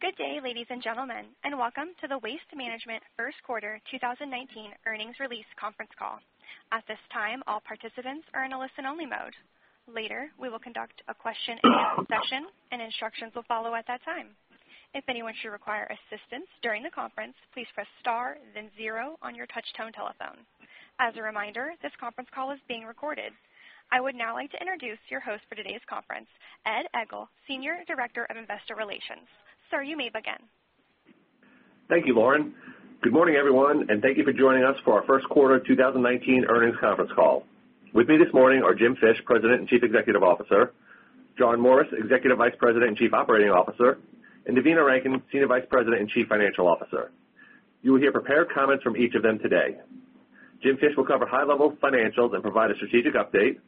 Good day, ladies and gentlemen, and welcome to the Waste Management first quarter 2019 earnings release conference call. At this time, all participants are in a listen-only mode. Later, we will conduct a question and answer session, and instructions will follow at that time. If anyone should require assistance during the conference, please press star then zero on your touchtone telephone. As a reminder, this conference call is being recorded. I would now like to introduce your host for today's conference, Ed Egl, Senior Director of Investor Relations. Sir, you may begin. Thank you, Lauren. Good morning, everyone, and thank you for joining us for our first quarter 2019 earnings conference call. With me this morning are Jim Fish, President and Chief Executive Officer, John Morris, Executive Vice President and Chief Operating Officer, and Devina Rankin, Senior Vice President and Chief Financial Officer. You will hear prepared comments from each of them today. Jim Fish will cover high-level financials and provide a strategic update.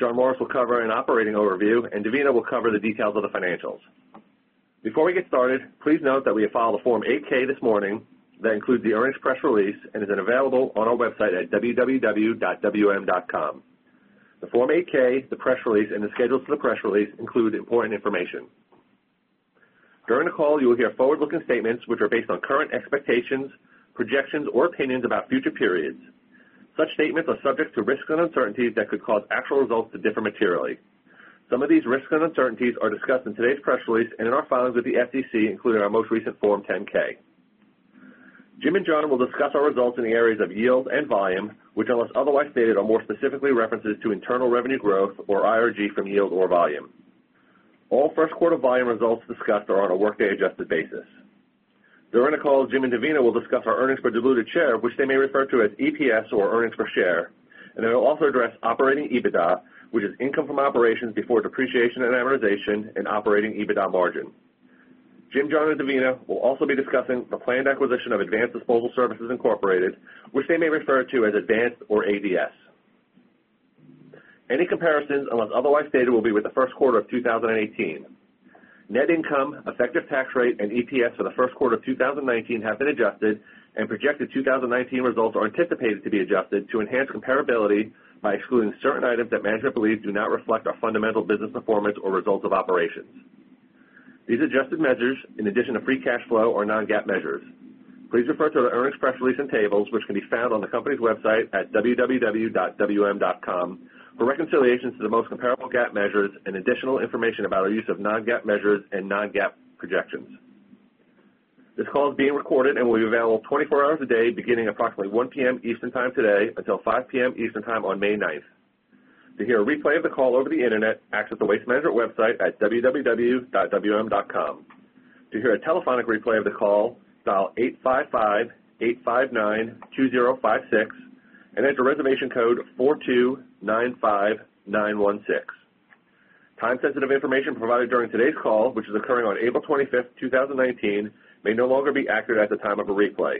John Morris will cover an operating overview, and Devina will cover the details of the financials. Before we get started, please note that we have filed a Form 8-K this morning that includes the earnings press release and is available on our website at www.wm.com. The Form 8-K, the press release, and the schedule for the press release include important information. During the call, you will hear forward-looking statements which are based on current expectations, projections, or opinions about future periods. Such statements are subject to risks and uncertainties that could cause actual results to differ materially. Some of these risks and uncertainties are discussed in today's press release and in our filings with the SEC, including our most recent Form 10-K. Jim and John will discuss our results in the areas of yield and volume, which, unless otherwise stated, are more specifically references to internal revenue growth, or IRG, from yield or volume. All first-quarter volume results discussed are on a workday-adjusted basis. During the call, Jim and Devina will discuss our earnings per diluted share, which they may refer to as EPS or earnings per share, and they will also address operating EBITDA, which is income from operations before depreciation and amortization and operating EBITDA margin. Jim, John, and Devina will also be discussing the planned acquisition of Advanced Disposal Services Incorporated, which they may refer to as Advanced or ADS. Any comparisons, unless otherwise stated, will be with the first quarter of 2018. Net income, effective tax rate, and EPS for the first quarter of 2019 have been adjusted and projected 2019 results are anticipated to be adjusted to enhance comparability by excluding certain items that management believes do not reflect our fundamental business performance or results of operations. These adjusted measures, in addition to free cash flow, are non-GAAP measures. Please refer to the earnings press release and tables, which can be found on the company's website at www.wm.com for reconciliations to the most comparable GAAP measures and additional information about our use of non-GAAP measures and non-GAAP projections. This call is being recorded and will be available 24 hours a day, beginning approximately 1:00 P.M. Eastern Time today until 5:00 P.M. Eastern Time on May 9th. To hear a replay of the call over the internet, access the Waste Management website at www.wm.com. To hear a telephonic replay of the call, dial 855-859-2056 and enter reservation code 4295916. Time-sensitive information provided during today's call, which is occurring on April 25th, 2019, may no longer be accurate at the time of a replay.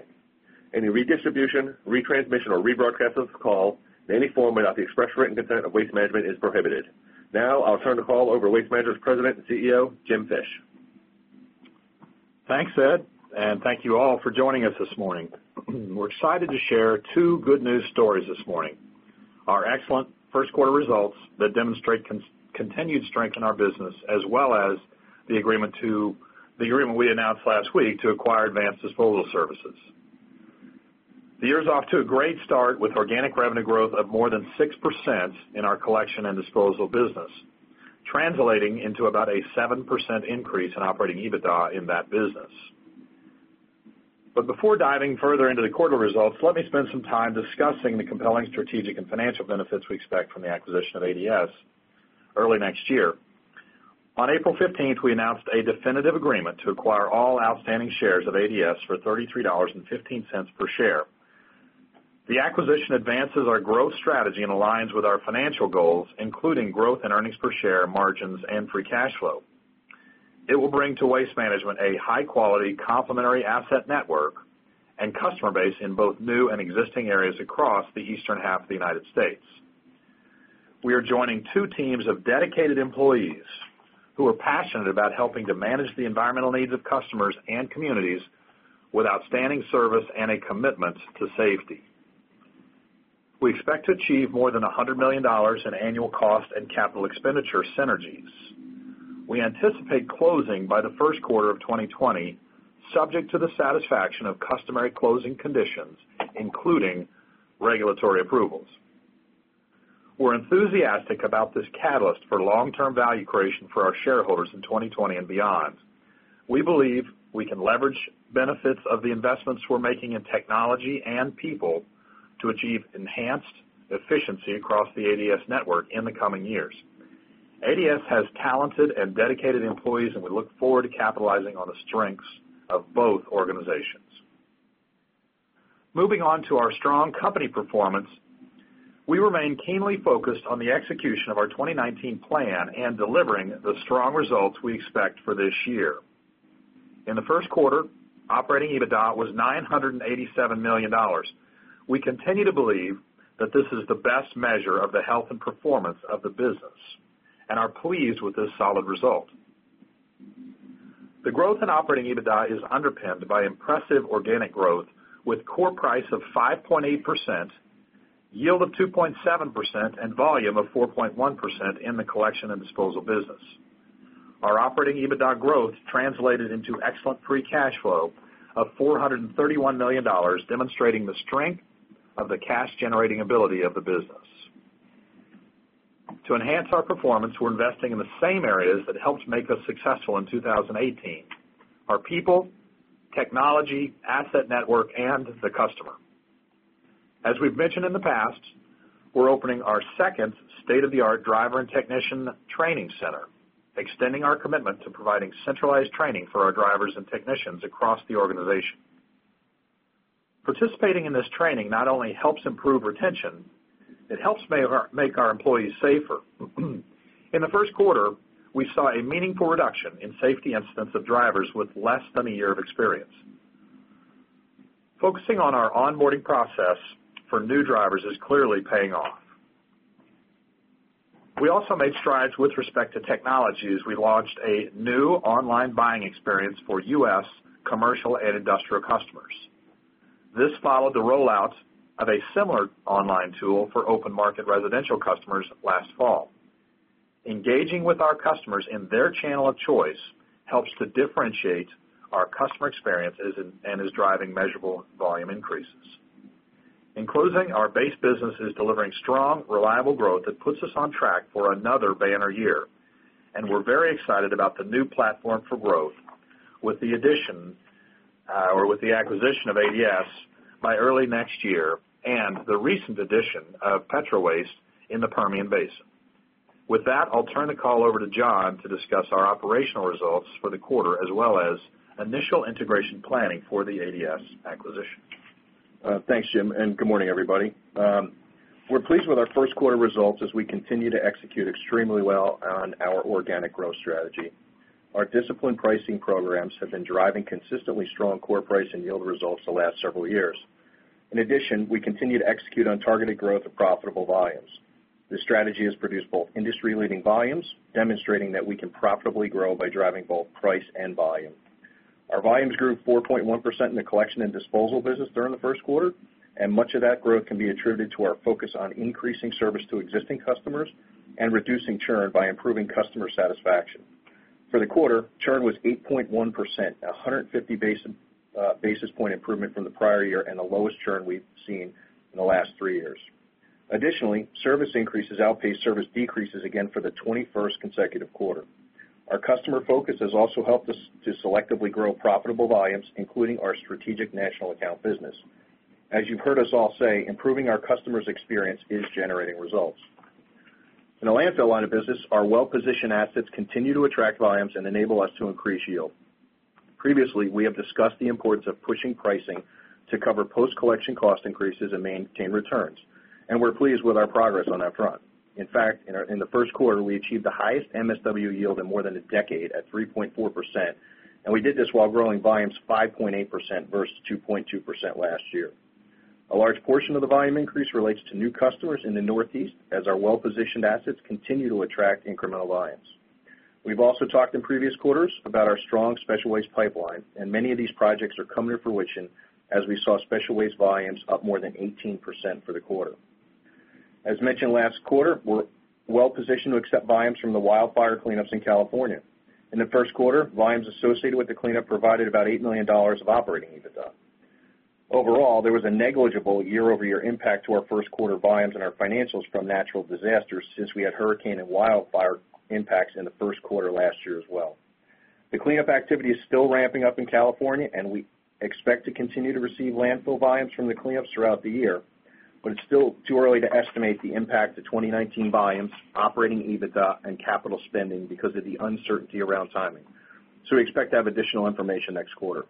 Any redistribution, retransmission, or rebroadcast of the call in any form without the express written consent of Waste Management is prohibited. I'll turn the call over to Waste Management's President and CEO, Jim Fish. Thanks, Ed, and thank you all for joining us this morning. We're excited to share two good news stories this morning. Our excellent first-quarter results that demonstrate continued strength in our business, as well as the agreement we announced last week to acquire Advanced Disposal Services. The year's off to a great start with organic revenue growth of more than 6% in our collection and disposal business, translating into about a 7% increase in operating EBITDA in that business. Before diving further into the quarter results, let me spend some time discussing the compelling strategic and financial benefits we expect from the acquisition of ADS early next year. On April 15th, we announced a definitive agreement to acquire all outstanding shares of ADS for $33.15 per share. The acquisition advances our growth strategy and aligns with our financial goals, including growth in earnings per share margins and free cash flow. It will bring to Waste Management a high-quality complementary asset network and customer base in both new and existing areas across the eastern half of the United States. We are joining two teams of dedicated employees who are passionate about helping to manage the environmental needs of customers and communities with outstanding service and a commitment to safety. We expect to achieve more than $100 million in annual cost and capital expenditure synergies. We anticipate closing by the first quarter of 2020, subject to the satisfaction of customary closing conditions, including regulatory approvals. We're enthusiastic about this catalyst for long-term value creation for our shareholders in 2020 and beyond. We believe we can leverage benefits of the investments we're making in technology and people to achieve enhanced efficiency across the ADS network in the coming years. ADS has talented and dedicated employees, and we look forward to capitalizing on the strengths of both organizations. Moving on to our strong company performance. We remain keenly focused on the execution of our 2019 plan and delivering the strong results we expect for this year. In the first quarter, operating EBITDA was $987 million. We continue to believe that this is the best measure of the health and performance of the business and are pleased with this solid result. The growth in operating EBITDA is underpinned by impressive organic growth with core price of 5.8%, yield of 2.7% and volume of 4.1% in the collection and disposal business. Our operating EBITDA growth translated into excellent free cash flow of $431 million, demonstrating the strength of the cash-generating ability of the business. To enhance our performance, we're investing in the same areas that helped make us successful in 2018: our people, technology, asset network, and the customer. As we've mentioned in the past, we're opening our second state-of-the-art driver and technician training center, extending our commitment to providing centralized training for our drivers and technicians across the organization. Participating in this training not only helps improve retention, it helps make our employees safer. In the first quarter, we saw a meaningful reduction in safety incidents of drivers with less than a year of experience. Focusing on our onboarding process for new drivers is clearly paying off. We also made strides with respect to technology, as we launched a new online buying experience for U.S. commercial and industrial customers. This followed the rollout of a similar online tool for open market residential customers last fall. Engaging with our customers in their channel of choice helps to differentiate our customer experiences and is driving measurable volume increases. In closing, our base business is delivering strong, reliable growth that puts us on track for another banner year. We're very excited about the new platform for growth with the acquisition of ADS by early next year and the recent addition of Petro Waste in the Permian Basin. With that, I'll turn the call over to John to discuss our operational results for the quarter, as well as initial integration planning for the ADS acquisition. Thanks, Jim. Good morning, everybody. We're pleased with our first quarter results as we continue to execute extremely well on our organic growth strategy. Our disciplined pricing programs have been driving consistently strong core price and yield results the last several years. In addition, we continue to execute on targeted growth of profitable volumes. This strategy has produced both industry-leading volumes, demonstrating that we can profitably grow by driving both price and volume. Our volumes grew 4.1% in the collection and disposal business during the first quarter, and much of that growth can be attributed to our focus on increasing service to existing customers and reducing churn by improving customer satisfaction. For the quarter, churn was 8.1%, 150 basis point improvement from the prior year, and the lowest churn we've seen in the last three years. Additionally, service increases outpaced service decreases again for the 21st consecutive quarter. Our customer focus has also helped us to selectively grow profitable volumes, including our strategic national account business. As you've heard us all say, improving our customers' experience is generating results. In the landfill line of business, our well-positioned assets continue to attract volumes and enable us to increase yield. Previously, we have discussed the importance of pushing pricing to cover post-collection cost increases and maintain returns. We're pleased with our progress on that front. In fact, in the first quarter, we achieved the highest MSW yield in more than a decade, at 3.4%, and we did this while growing volumes 5.8% versus 2.2% last year. A large portion of the volume increase relates to new customers in the Northeast, as our well-positioned assets continue to attract incremental volumes. We've also talked in previous quarters about our strong special waste pipeline, many of these projects are coming to fruition as we saw special waste volumes up more than 18% for the quarter. As mentioned last quarter, we're well positioned to accept volumes from the wildfire cleanups in California. In the first quarter, volumes associated with the cleanup provided about $8 million of operating EBITDA. Overall, there was a negligible year-over-year impact to our first quarter volumes and our financials from natural disasters since we had hurricane and wildfire impacts in the first quarter last year as well. The cleanup activity is still ramping up in California, we expect to continue to receive landfill volumes from the cleanups throughout the year, it's still too early to estimate the impact to 2019 volumes, operating EBITDA, and capital spending because of the uncertainty around timing. We expect to have additional information next quarter.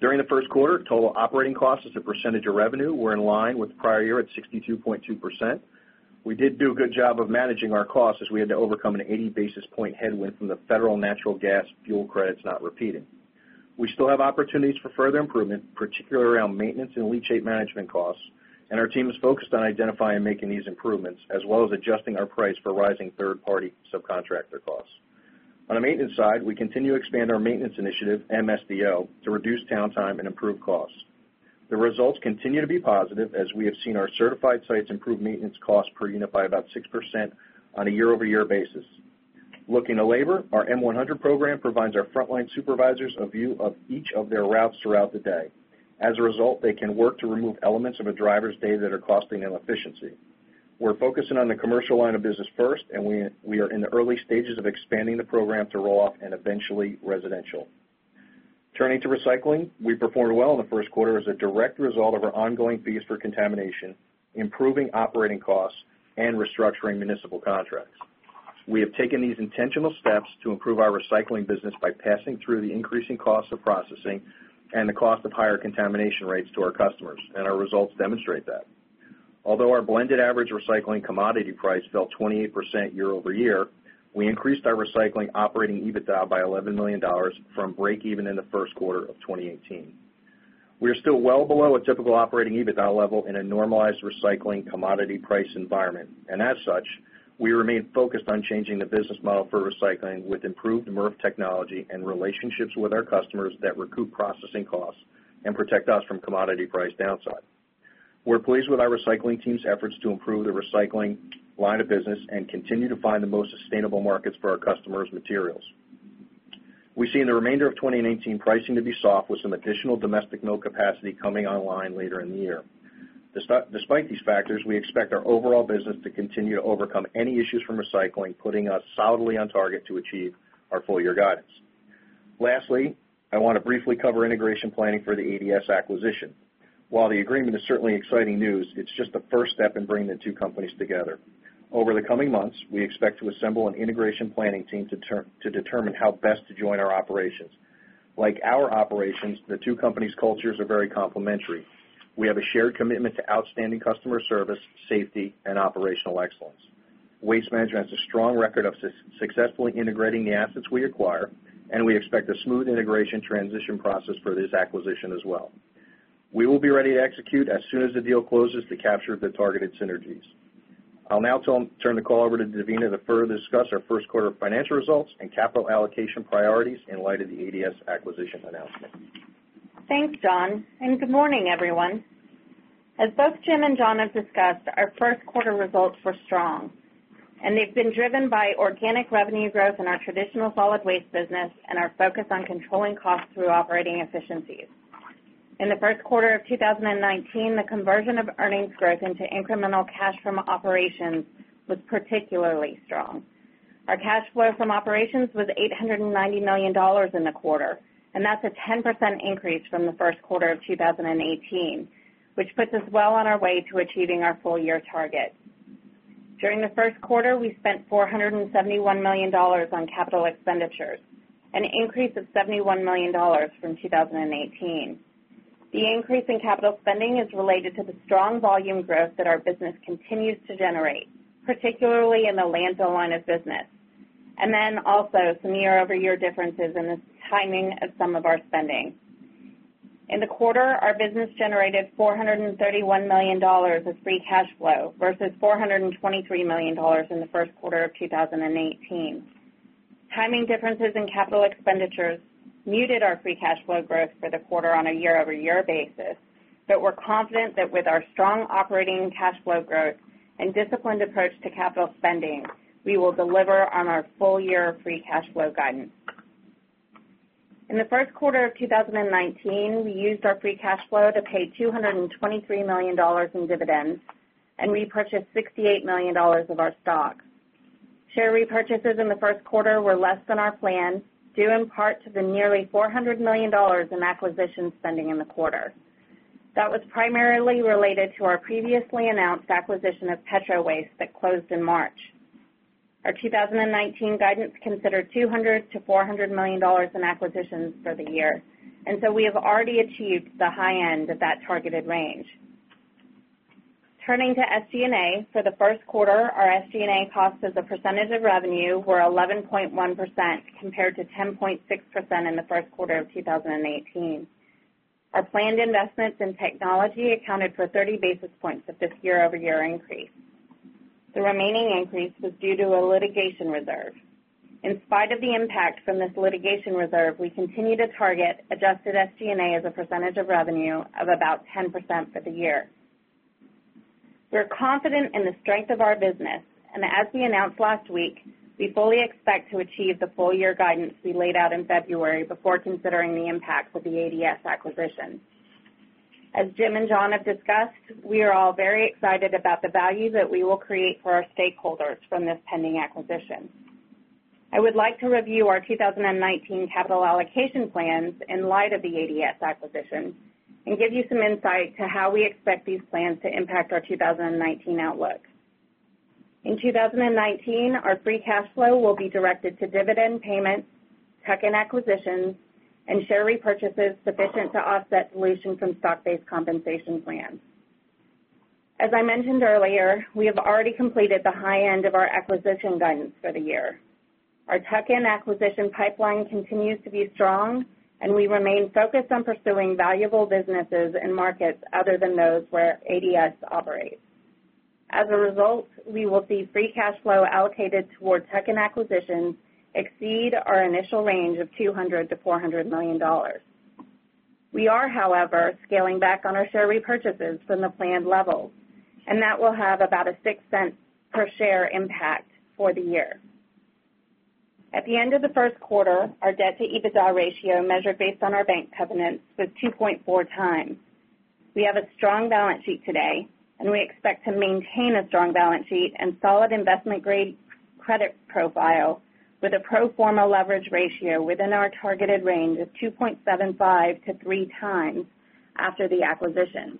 During the first quarter, total operating costs as a percentage of revenue were in line with prior year at 62.2%. We did do a good job of managing our costs as we had to overcome an 80 basis point headwind from the federal natural gas fuel credits not repeating. We still have opportunities for further improvement, particularly around maintenance and leachate management costs, our team is focused on identifying and making these improvements, as well as adjusting our price for rising third-party subcontractor costs. On the maintenance side, we continue to expand our maintenance initiative, MSDO, to reduce downtime and improve costs. The results continue to be positive as we have seen our certified sites improve maintenance costs per unit by about 6% on a year-over-year basis. Looking to labor, our M100 program provides our frontline supervisors a view of each of their routes throughout the day. As a result, they can work to remove elements of a driver's day that are costing them efficiency. We're focusing on the commercial line of business first, we are in the early stages of expanding the program to roll off in eventually residential. Turning to recycling, we performed well in the first quarter as a direct result of our ongoing fees for contamination, improving operating costs, and restructuring municipal contracts. We have taken these intentional steps to improve our recycling business by passing through the increasing costs of processing and the cost of higher contamination rates to our customers, our results demonstrate that. Although our blended average recycling commodity price fell 28% year-over-year, we increased our recycling operating EBITDA by $11 million from break even in the first quarter of 2018. We are still well below a typical operating EBITDA level in a normalized recycling commodity price environment. As such, we remain focused on changing the business model for recycling with improved MRF technology and relationships with our customers that recoup processing costs and protect us from commodity price downside. We're pleased with our recycling team's efforts to improve the recycling line of business and continue to find the most sustainable markets for our customers' materials. We see in the remainder of 2019 pricing to be soft with some additional domestic mill capacity coming online later in the year. Despite these factors, we expect our overall business to continue to overcome any issues from recycling, putting us solidly on target to achieve our full-year guidance. Lastly, I want to briefly cover integration planning for the ADS acquisition. While the agreement is certainly exciting news, it is just the first step in bringing the two companies together. Over the coming months, we expect to assemble an integration planning team to determine how best to join our operations. Like our operations, the two companies' cultures are very complementary. We have a shared commitment to outstanding customer service, safety, and operational excellence. Waste Management has a strong record of successfully integrating the assets we acquire, and we expect a smooth integration transition process for this acquisition as well. We will be ready to execute as soon as the deal closes to capture the targeted synergies. I will now turn the call over to Devina to further discuss our first quarter financial results and capital allocation priorities in light of the ADS acquisition announcement. Thanks, John, and good morning, everyone. As both Jim and John have discussed, our first quarter results were strong, and they have been driven by organic revenue growth in our traditional solid waste business and our focus on controlling costs through operating efficiencies. In the first quarter of 2019, the conversion of earnings growth into incremental cash from operations was particularly strong. Our cash flow from operations was $890 million in the quarter, and that is a 10% increase from the first quarter of 2018, which puts us well on our way to achieving our full-year target. During the first quarter, we spent $471 million on capital expenditures, an increase of $71 million from 2018. The increase in capital spending is related to the strong volume growth that our business continues to generate, particularly in the landfill line of business, and also some year-over-year differences in the timing of some of our spending. In the quarter, our business generated $431 million of free cash flow versus $423 million in the first quarter of 2018. Timing differences in capital expenditures muted our free cash flow growth for the quarter on a year-over-year basis, but we are confident that with our strong operating cash flow growth and disciplined approach to capital spending, we will deliver on our full-year free cash flow guidance. In the first quarter of 2019, we used our free cash flow to pay $223 million in dividends and repurchase $68 million of our stock. Share repurchases in the first quarter were less than our plan, due in part to the nearly $400 million in acquisition spending in the quarter. That was primarily related to our previously announced acquisition of Petro Waste that closed in March. We have already achieved the high end of that targeted range. Turning to SG&A, for the first quarter, our SG&A costs as a percentage of revenue were 11.1% compared to 10.6% in the first quarter of 2018. Our planned investments in technology accounted for 30 basis points of this year-over-year increase. The remaining increase was due to a litigation reserve. In spite of the impact from this litigation reserve, we continue to target adjusted SG&A as a percentage of revenue of about 10% for the year. We are confident in the strength of our business, as we announced last week, we fully expect to achieve the full-year guidance we laid out in February before considering the impact of the ADS acquisition. As Jim and John have discussed, we are all very excited about the value that we will create for our stakeholders from this pending acquisition. I would like to review our 2019 capital allocation plans in light of the ADS acquisition and give you some insight to how we expect these plans to impact our 2019 outlook. In 2019, our free cash flow will be directed to dividend payments, tuck-in acquisitions, and share repurchases sufficient to offset dilution from stock-based compensation plans. As I mentioned earlier, we have already completed the high end of our acquisition guidance for the year. Our tuck-in acquisition pipeline continues to be strong, we remain focused on pursuing valuable businesses and markets other than those where ADS operates. As a result, we will see free cash flow allocated towards tuck-in acquisitions exceed our initial range of $200 million to $400 million. We are, however, scaling back on our share repurchases from the planned levels, that will have about a $0.06 per share impact for the year. At the end of the first quarter, our debt-to-EBITDA ratio, measured based on our bank covenants, was 2.4 times. We have a strong balance sheet today, we expect to maintain a strong balance sheet and solid investment-grade credit profile with a pro forma leverage ratio within our targeted range of 2.75 to 3 times after the acquisition.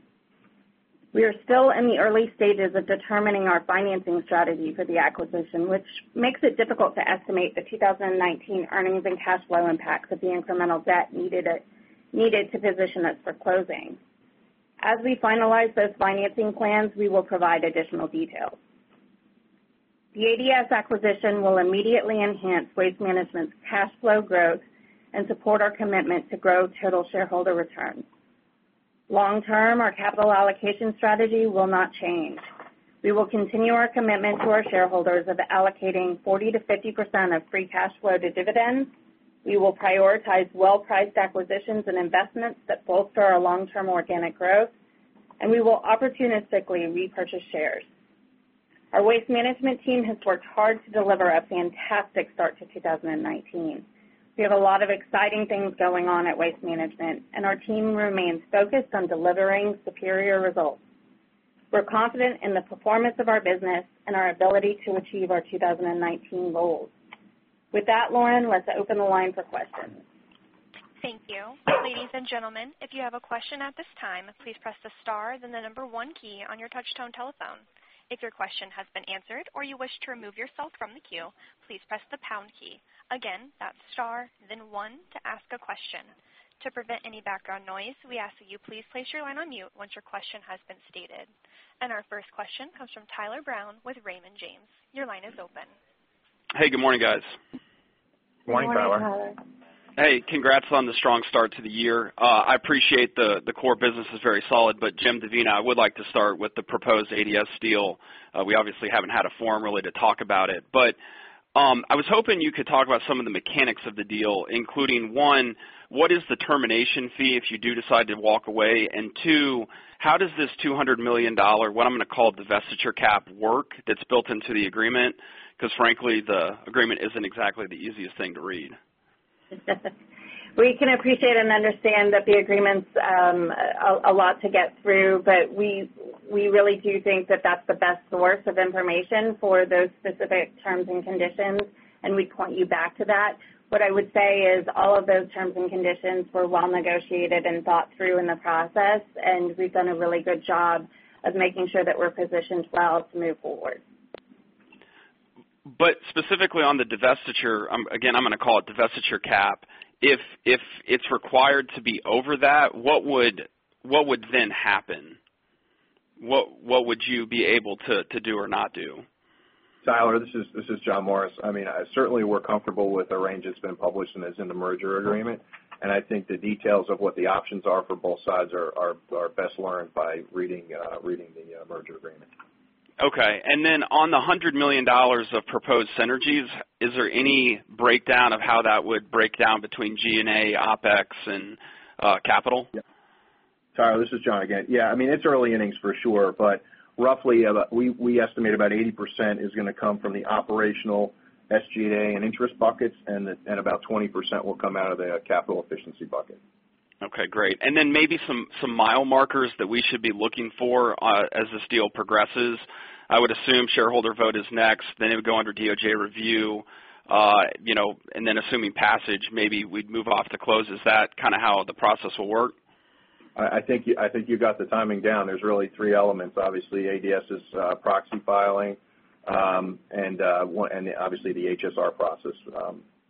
We are still in the early stages of determining our financing strategy for the acquisition, which makes it difficult to estimate the 2019 earnings and cash flow impacts of the incremental debt needed to position us for closing. As we finalize those financing plans, we will provide additional details. The ADS acquisition will immediately enhance Waste Management's cash flow growth and support our commitment to grow total shareholder returns. Long-term, our capital allocation strategy will not change. We will continue our commitment to our shareholders of allocating 40% to 50% of free cash flow to dividends. We will prioritize well-priced acquisitions and investments that bolster our long-term organic growth, we will opportunistically repurchase shares. Our Waste Management team has worked hard to deliver a fantastic start to 2019. We have a lot of exciting things going on at Waste Management, our team remains focused on delivering superior results. We're confident in the performance of our business and our ability to achieve our 2019 goals. With that, Lauren, let's open the line for questions. Thank you. Ladies and gentlemen, if you have a question at this time, please press the star, then the number one key on your touchtone telephone. If your question has been answered or you wish to remove yourself from the queue, please press the pound key. Again, that's star then one to ask a question. To prevent any background noise, we ask that you please place your line on mute once your question has been stated. Our first question comes from Tyler Brown with Raymond James, your line is open. Hey, good morning, guys. Good morning, Tyler. Hey, congrats on the strong start to the year. I appreciate the core business is very solid, but Jim, Devina, I would like to start with the proposed ADS deal. We obviously haven't had a forum really to talk about it, but I was hoping you could talk about some of the mechanics of the deal, including, 1. What is the termination fee if you do decide to walk away? 2. How does this $200 million, what I'm going to call divestiture cap, work that's built into the agreement? Because frankly, the agreement isn't exactly the easiest thing to read. We can appreciate and understand that the agreement's a lot to get through. We really do think that that's the best source of information for those specific terms and conditions. We'd point you back to that. What I would say is all of those terms and conditions were well negotiated and thought through in the process. We've done a really good job of making sure that we're positioned well to move forward. Specifically on the divestiture, again, I'm going to call it divestiture cap. If it's required to be over that, what would then happen? What would you be able to do or not do? Tyler, this is John Morris. Certainly, we're comfortable with the range that's been published and is in the merger agreement. I think the details of what the options are for both sides are best learned by reading the merger agreement. Okay. On the $100 million of proposed synergies, is there any breakdown of how that would break down between G&A, OpEx, and capital? Tyler, this is John again. Yeah, it's early innings for sure, but roughly, we estimate about 80% is going to come from the operational SG&A and interest buckets, and about 20% will come out of the capital efficiency bucket. Okay, great. Maybe some mile markers that we should be looking for as this deal progresses. I would assume shareholder vote is next, then it would go under DOJ review. Assuming passage, maybe we'd move off to close. Is that how the process will work? I think you got the timing down. There's really three elements. Obviously, ADS's proxy filing, obviously the HSR process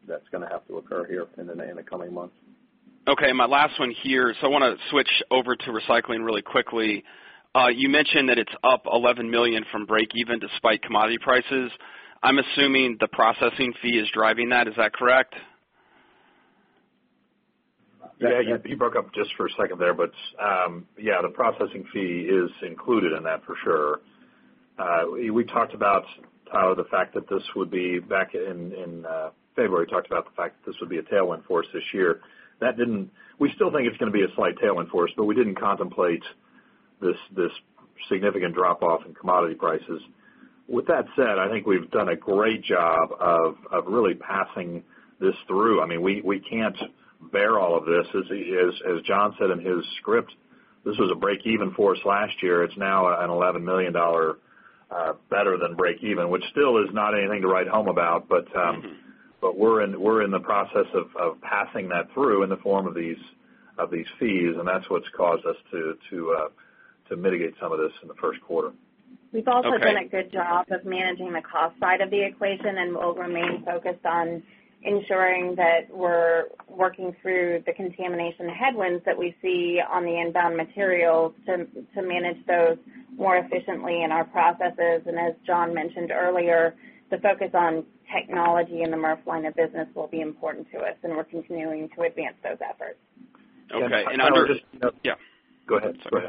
that's going to have to occur here in the coming months. My last one here. I want to switch over to recycling really quickly. You mentioned that it's up $11 million from break even despite commodity prices. I'm assuming the processing fee is driving that. Is that correct? Yes. Yeah, you broke up just for a second there. Yeah, the processing fee is included in that for sure. Back in February, we talked about the fact that this would be a tailwind for us this year. We still think it's going to be a slight tailwind for us, but we didn't contemplate this significant drop-off in commodity prices. With that said, I think we've done a great job of really passing this through. We can't bear all of this. As John said in his script, this was a break-even for us last year. It's now an $11 million better than break even, which still is not anything to write home about, but we're in the process of passing that through in the form of these fees, and that's what's caused us to mitigate some of this in the first quarter. Okay. We've also done a good job of managing the cost side of the equation, and we'll remain focused on ensuring that we're working through the contamination headwinds that we see on the inbound materials to manage those more efficiently in our processes. As John mentioned earlier, the focus on technology in the MRF line of business will be important to us, and we're continuing to advance those efforts. Okay. Yeah. Go ahead. Sorry.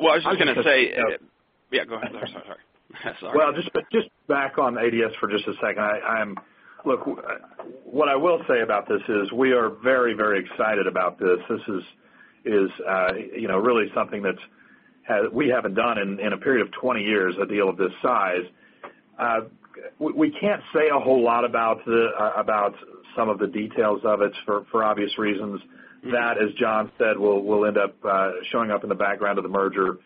Well, I was just going to say Yeah, go ahead. Sorry. Well, just back on ADS for just a second. Look, what I will say about this is we are very excited about this. This is really something that we haven't done in a period of 20 years, a deal of this size. We can't say a whole lot about some of the details of it, for obvious reasons. That, as John said, will end up showing up in the background of the merger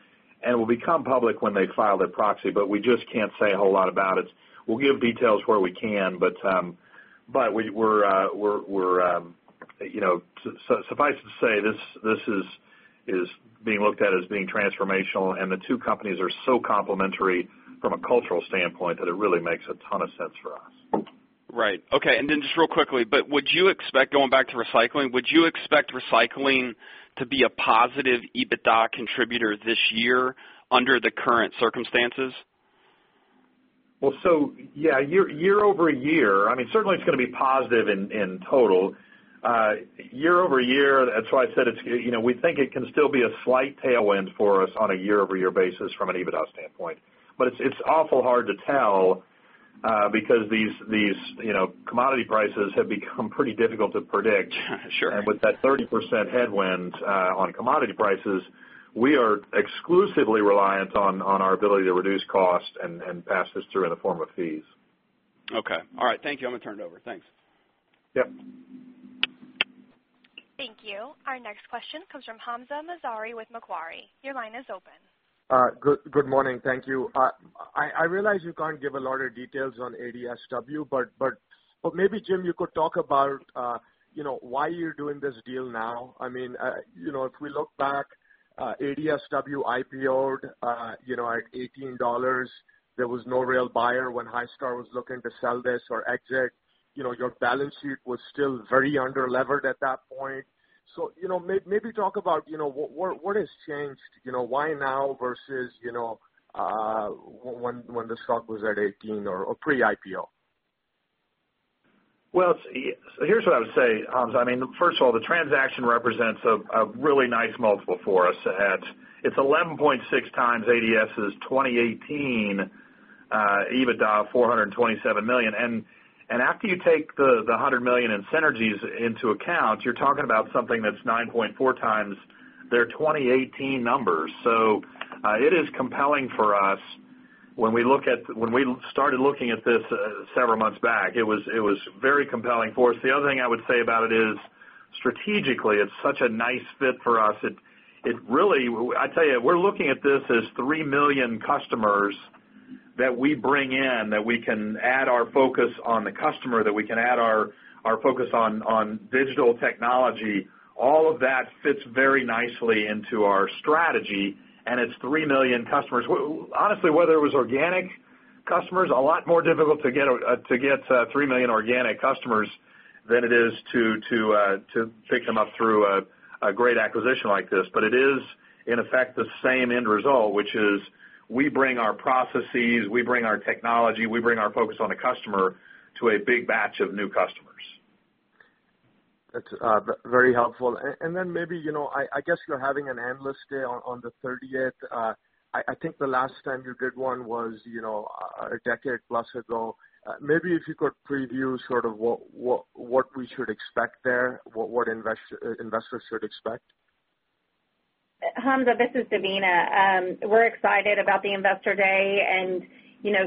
and will become public when they file their proxy. We just can't say a whole lot about it. We'll give details where we can, suffice to say, this is being looked at as being transformational, the two companies are so complementary from a cultural standpoint that it really makes a ton of sense for us. Right. Okay. Then just real quickly, going back to recycling, would you expect recycling to be a positive EBITDA contributor this year under the current circumstances? Yeah, year-over-year, certainly it's going to be positive in total. Year-over-year, that's why I said we think it can still be a slight tailwind for us on a year-over-year basis from an EBITDA standpoint. It's awful hard to tell because these commodity prices have become pretty difficult to predict. Sure. With that 30% headwind on commodity prices, we are exclusively reliant on our ability to reduce cost and pass this through in the form of fees. Okay. All right. Thank you. I'm going to turn it over. Thanks. Yep. Thank you. Our next question comes from Hamzah Mazari with Macquarie. Your line is open. Good morning. Thank you. I realize you can't give a lot of details on ADSW, but maybe, Jim, you could talk about why you're doing this deal now. If we look back, ADSW IPO'd at $18. There was no real buyer when Highstar Capital was looking to sell this or exit. Your balance sheet was still very under-levered at that point. Maybe talk about what has changed. Why now versus when the stock was at $18 or pre-IPO? Here's what I would say, Hamzah. First of all, the transaction represents a really nice multiple for us at It's 11.6 times ADS's 2018 EBITDA of $427 million. After you take the $100 million in synergies into account, you're talking about something that's 9.4 times their 2018 numbers. It is compelling for us. When we started looking at this several months back, it was very compelling for us. The other thing I would say about it is, strategically, it's such a nice fit for us. I tell you, we're looking at this as 3 million customers that we bring in, that we can add our focus on the customer, that we can add our focus on digital technology. All of that fits very nicely into our strategy, and it's 3 million customers. Honestly, whether it was organic customers, a lot more difficult to get 3 million organic customers than it is to pick them up through a great acquisition like this. It is, in effect, the same end result, which is we bring our processes, we bring our technology, we bring our focus on the customer to a big batch of new customers. That's very helpful. Maybe, I guess you're having an Analyst Day on the 30th. I think the last time you did one was a decade plus ago. Maybe if you could preview sort of what we should expect there, what investors should expect. Hamzah, this is Devina. We're excited about the Investor Day and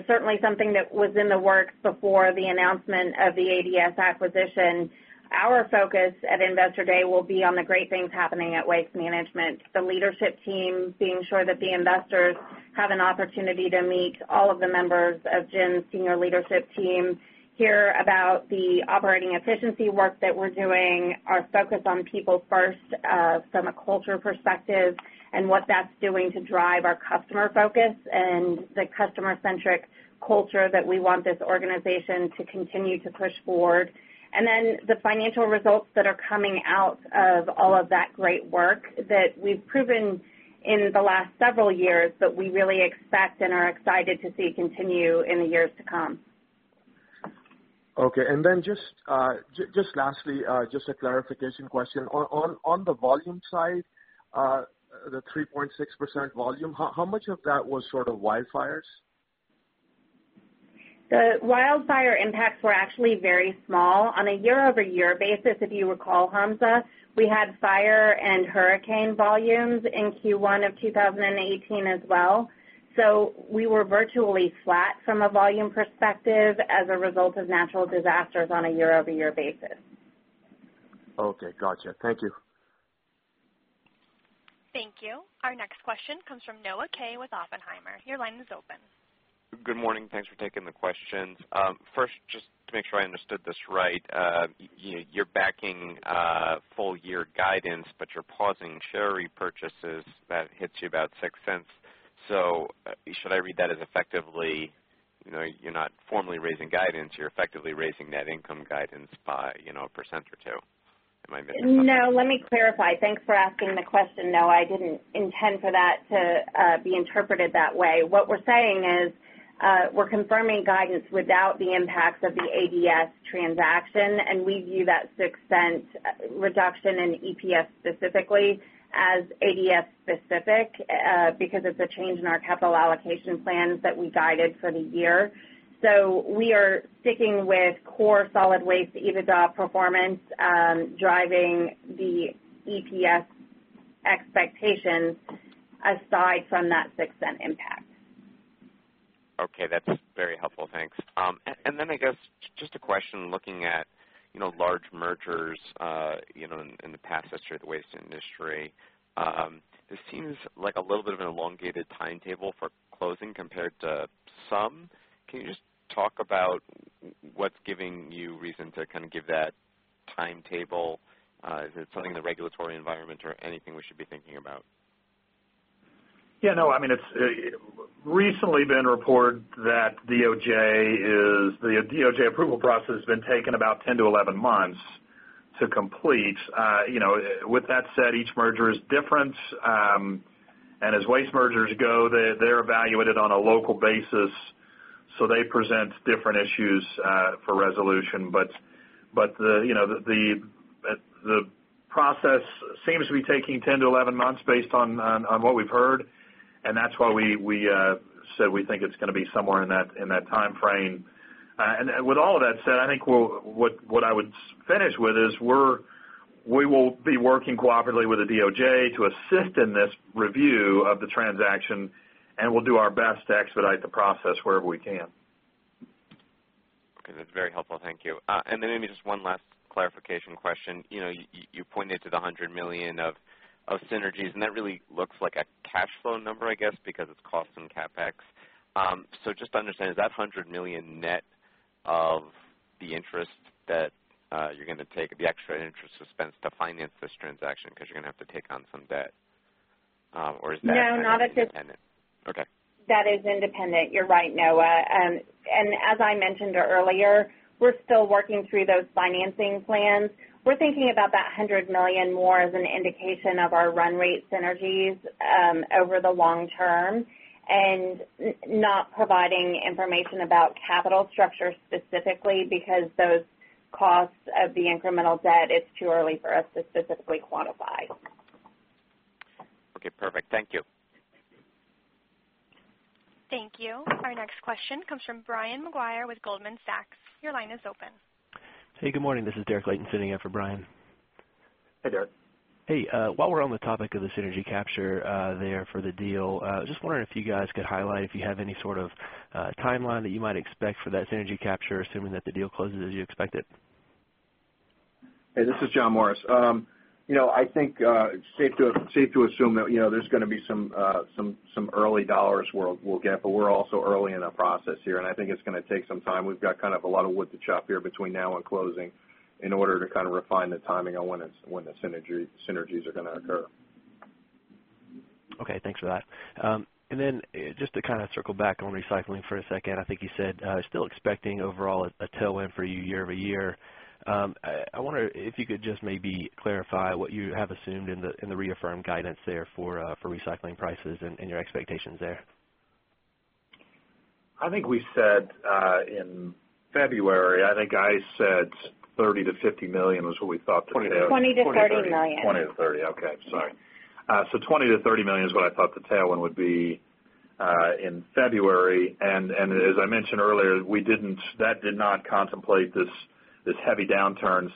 certainly something that was in the works before the announcement of the ADS acquisition. Our focus at Investor Day will be on the great things happening at Waste Management, the leadership team, being sure that the investors have an opportunity to meet all of the members of Jim's senior leadership team, hear about the operating efficiency work that we're doing, our focus on people first from a culture perspective and what that's doing to drive our customer focus and the customer-centric culture that we want this organization to continue to push forward. The financial results that are coming out of all of that great work that we've proven in the last several years that we really expect and are excited to see continue in the years to come. Okay, just lastly, just a clarification question. On the volume side, the 3.6% volume, how much of that was sort of wildfires? The wildfire impacts were actually very small. On a year-over-year basis, if you recall, Hamzah, we had fire and hurricane volumes in Q1 of 2018 as well. We were virtually flat from a volume perspective as a result of natural disasters on a year-over-year basis. Okay, gotcha. Thank you. Thank you. Our next question comes from Noah Kaye with Oppenheimer. Your line is open. Good morning. Thanks for taking the questions. First, just to make sure I understood this right, you are backing full-year guidance, but you are pausing share repurchases. That hits you about $0.06. Should I read that as effectively, you are not formally raising guidance, you are effectively raising net income guidance by a % or two? Am I missing something there? No, let me clarify. Thanks for asking the question, Noah. I did not intend for that to be interpreted that way. What we are saying is, we are confirming guidance without the impact of the ADS transaction, and we view that $0.06 reduction in EPS specifically as ADS-specific because it is a change in our capital allocation plans that we guided for the year. We are sticking with core solid waste EBITDA performance driving the EPS expectations aside from that $0.06 impact. Okay, that is very helpful. Thanks. Then I guess, just a question, looking at large mergers in the past history of the waste industry. This seems like a little bit of an elongated timetable for closing compared to some. Can you just talk about what is giving you reason to kind of give that timetable? Is it something in the regulatory environment or anything we should be thinking about? No, it's recently been reported that the DOJ approval process has been taking about 10 to 11 months to complete. With that said, each merger is different. As waste mergers go, they're evaluated on a local basis, so they present different issues for resolution. The process seems to be taking 10 to 11 months based on what we've heard, and that's why we said we think it's going to be somewhere in that timeframe. With all of that said, I think what I would finish with is, we will be working cooperatively with the DOJ to assist in this review of the transaction, and we'll do our best to expedite the process wherever we can. Okay. That's very helpful. Thank you. Then maybe just one last clarification question. You pointed to the $100 million of synergies, that really looks like a cash flow number, I guess, because it's cost and CapEx. Just to understand, is that $100 million net of the interest that you're going to take, the extra interest suspense to finance this transaction? Because you're going to have to take on some debt. Or is that- No, not at this- Okay. That is independent. You're right, Noah. As I mentioned earlier, we're still working through those financing plans. We're thinking about that $100 million more as an indication of our run rate synergies, over the long term, and not providing information about capital structure specifically because those costs of the incremental debt, it's too early for us to specifically quantify. Okay, perfect. Thank you. Thank you. Our next question comes from Brian Maguire with Goldman Sachs. Your line is open. Hey, good morning. This is Derek Layton sitting in for Brian. Hey, Derek. Hey, while we're on the topic of the synergy capture there for the deal, just wondering if you guys could highlight if you have any sort of timeline that you might expect for that synergy capture, assuming that the deal closes as you expected. Hey, this is John Morris. I think it's safe to assume that there's going to be some early dollars we'll get. We're also early in our process here. I think it's going to take some time. We've got a lot of wood to chop here between now and closing in order to refine the timing on when the synergies are going to occur. Okay, thanks for that. Just to circle back on recycling for a second. I think you said still expecting overall a tailwind for you year-over-year. I wonder if you could just maybe clarify what you have assumed in the reaffirmed guidance there for recycling prices and your expectations there. I think we said in February, I think I said $30 million-$50 million was what we thought. $20 million-$30 million. $20 million-$30 million. Okay. Sorry. $20 million-$30 million is what I thought the tailwind would be in February. As I mentioned earlier, that did not contemplate this heavy downturn.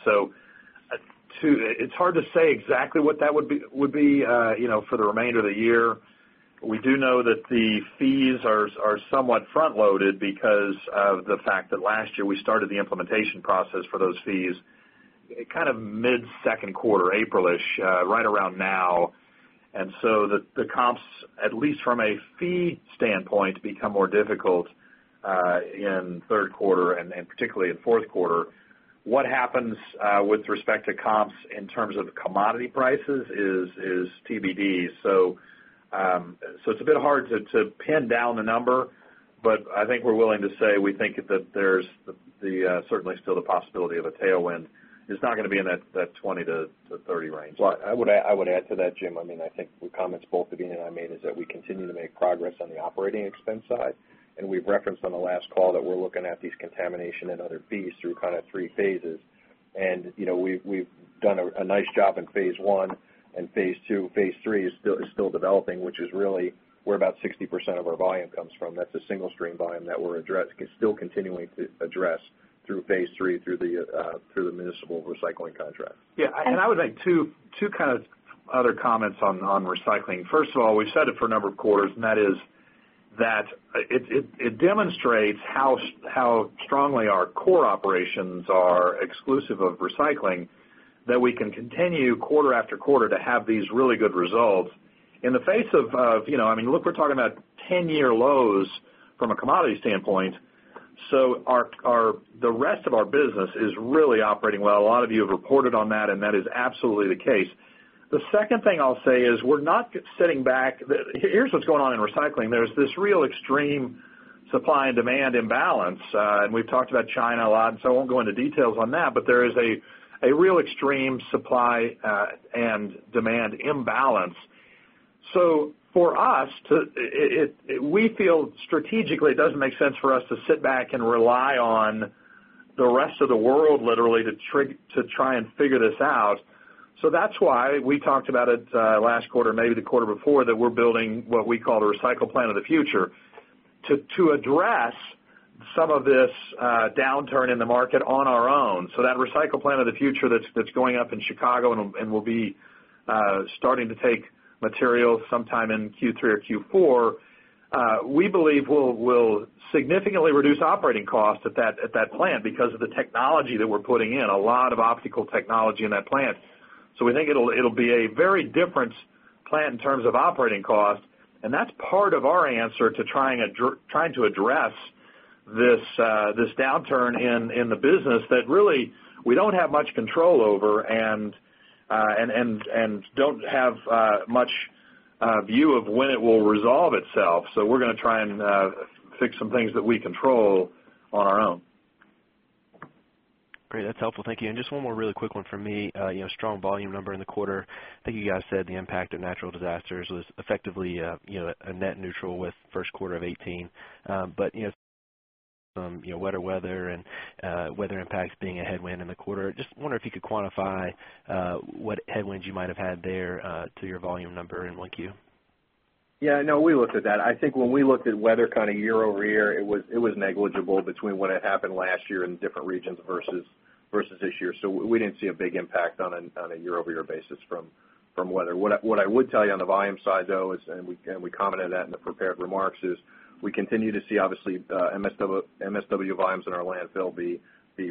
It's hard to say exactly what that would be for the remainder of the year. We do know that the fees are somewhat front-loaded because of the fact that last year we started the implementation process for those fees mid-second quarter, April-ish, right around now. The comps, at least from a fee standpoint, become more difficult in third quarter and particularly in fourth quarter. What happens with respect to comps in terms of commodity prices is TBD. It's a bit hard to pin down a number, but I think we're willing to say we think that there's certainly still the possibility of a tailwind. It's not going to be in that 20-30 range. I would add to that, Jim. I think the comments both Devina and I made is that we continue to make progress on the operating expense side, we've referenced on the last call that we're looking at these contamination and other fees through 3 phases. We've done a nice job in phase 1 and phase 2. Phase 3 is still developing, which is really where about 60% of our volume comes from. That's a single stream volume that we're still continuing to address through phase 3, through the municipal recycling contract. Yeah. I would make two other comments on recycling. First of all, we've said it for a number of quarters, and that is that it demonstrates how strongly our core operations are exclusive of recycling, that we can continue quarter after quarter to have these really good results in the face of Look, we're talking about 10-year lows from a commodity standpoint. The rest of our business is really operating well. A lot of you have reported on that, and that is absolutely the case. The second thing I'll say is, we're not sitting back. Here's what's going on in recycling. There's this real extreme supply and demand imbalance. We've talked about China a lot. I won't go into details on that, but there is a real extreme supply and demand imbalance. For us, we feel strategically, it doesn't make sense for us to sit back and rely on the rest of the world, literally, to try and figure this out. That's why we talked about it last quarter, maybe the quarter before, that we're building what we call the Recycle Plant of the Future to address some of this downturn in the market on our own. That Recycle Plant of the Future that's going up in Chicago and will be starting to take material sometime in Q3 or Q4, we believe will significantly reduce operating costs at that plant because of the technology that we're putting in, a lot of optical technology in that plant. We think it'll be a very different plant in terms of operating costs. That's part of our answer to trying to address this downturn in the business that really we don't have much control over and don't have much view of when it will resolve itself. We're going to try and fix some things that we control on our own. Great. That's helpful. Thank you. Just one more really quick one from me. Strong volume number in the quarter. I think you guys said the impact of natural disasters was effectively a net neutral with first quarter of 2018. Wetter weather and weather impacts being a headwind in the quarter, just wonder if you could quantify what headwinds you might have had there to your volume number in 1Q. Yeah, no, we looked at that. I think when we looked at weather year-over-year, it was negligible between when it happened last year in different regions versus this year. We didn't see a big impact on a year-over-year basis from weather. What I would tell you on the volume side, though, and we commented that in the prepared remarks, is we continue to see, obviously, MSW volumes in our landfill be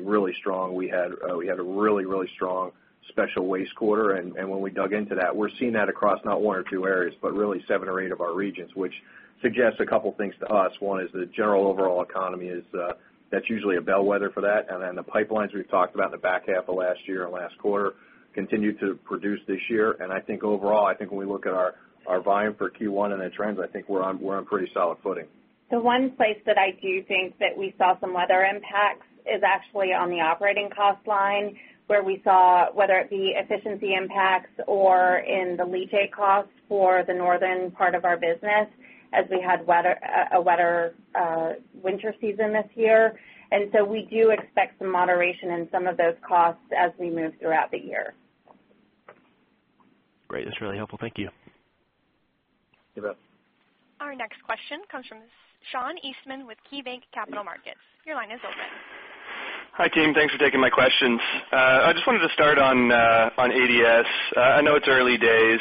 really strong. We had a really strong special waste quarter, and when we dug into that, we're seeing that across not one or two areas, but really seven or eight of our regions, which suggests a couple things to us. One is the general overall economy is that's usually a bellwether for that. The pipelines we've talked about in the back half of last year and last quarter continue to produce this year. I think overall, I think when we look at our volume for Q1 and the trends, I think we're on pretty solid footing. The one place that I do think that we saw some weather impacts is actually on the operating cost line, where we saw whether it be efficiency impacts or in the leachate costs for the northern part of our business as we had a wetter winter season this year. We do expect some moderation in some of those costs as we move throughout the year. Great. That's really helpful. Thank you. You bet. Our next question comes from Sean Eastman with KeyBanc Capital Markets. Your line is open. Hi, team. Thanks for taking my questions. I just wanted to start on ADS. I know it's early days,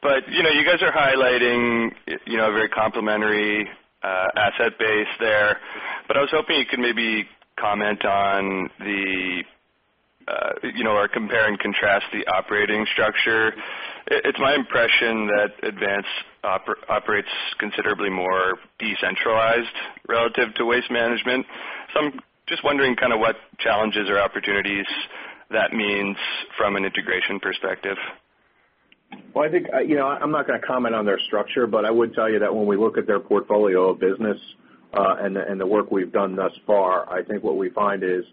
but you guys are highlighting a very complementary asset base there, but I was hoping you could maybe comment on or compare and contrast the operating structure. It's my impression that Advanced operates considerably more decentralized relative to Waste Management. I'm just wondering what challenges or opportunities that means from an integration perspective. I think, I'm not going to comment on their structure, but I would tell you that when we look at their portfolio of business, and the work we've done thus far, I think what we find is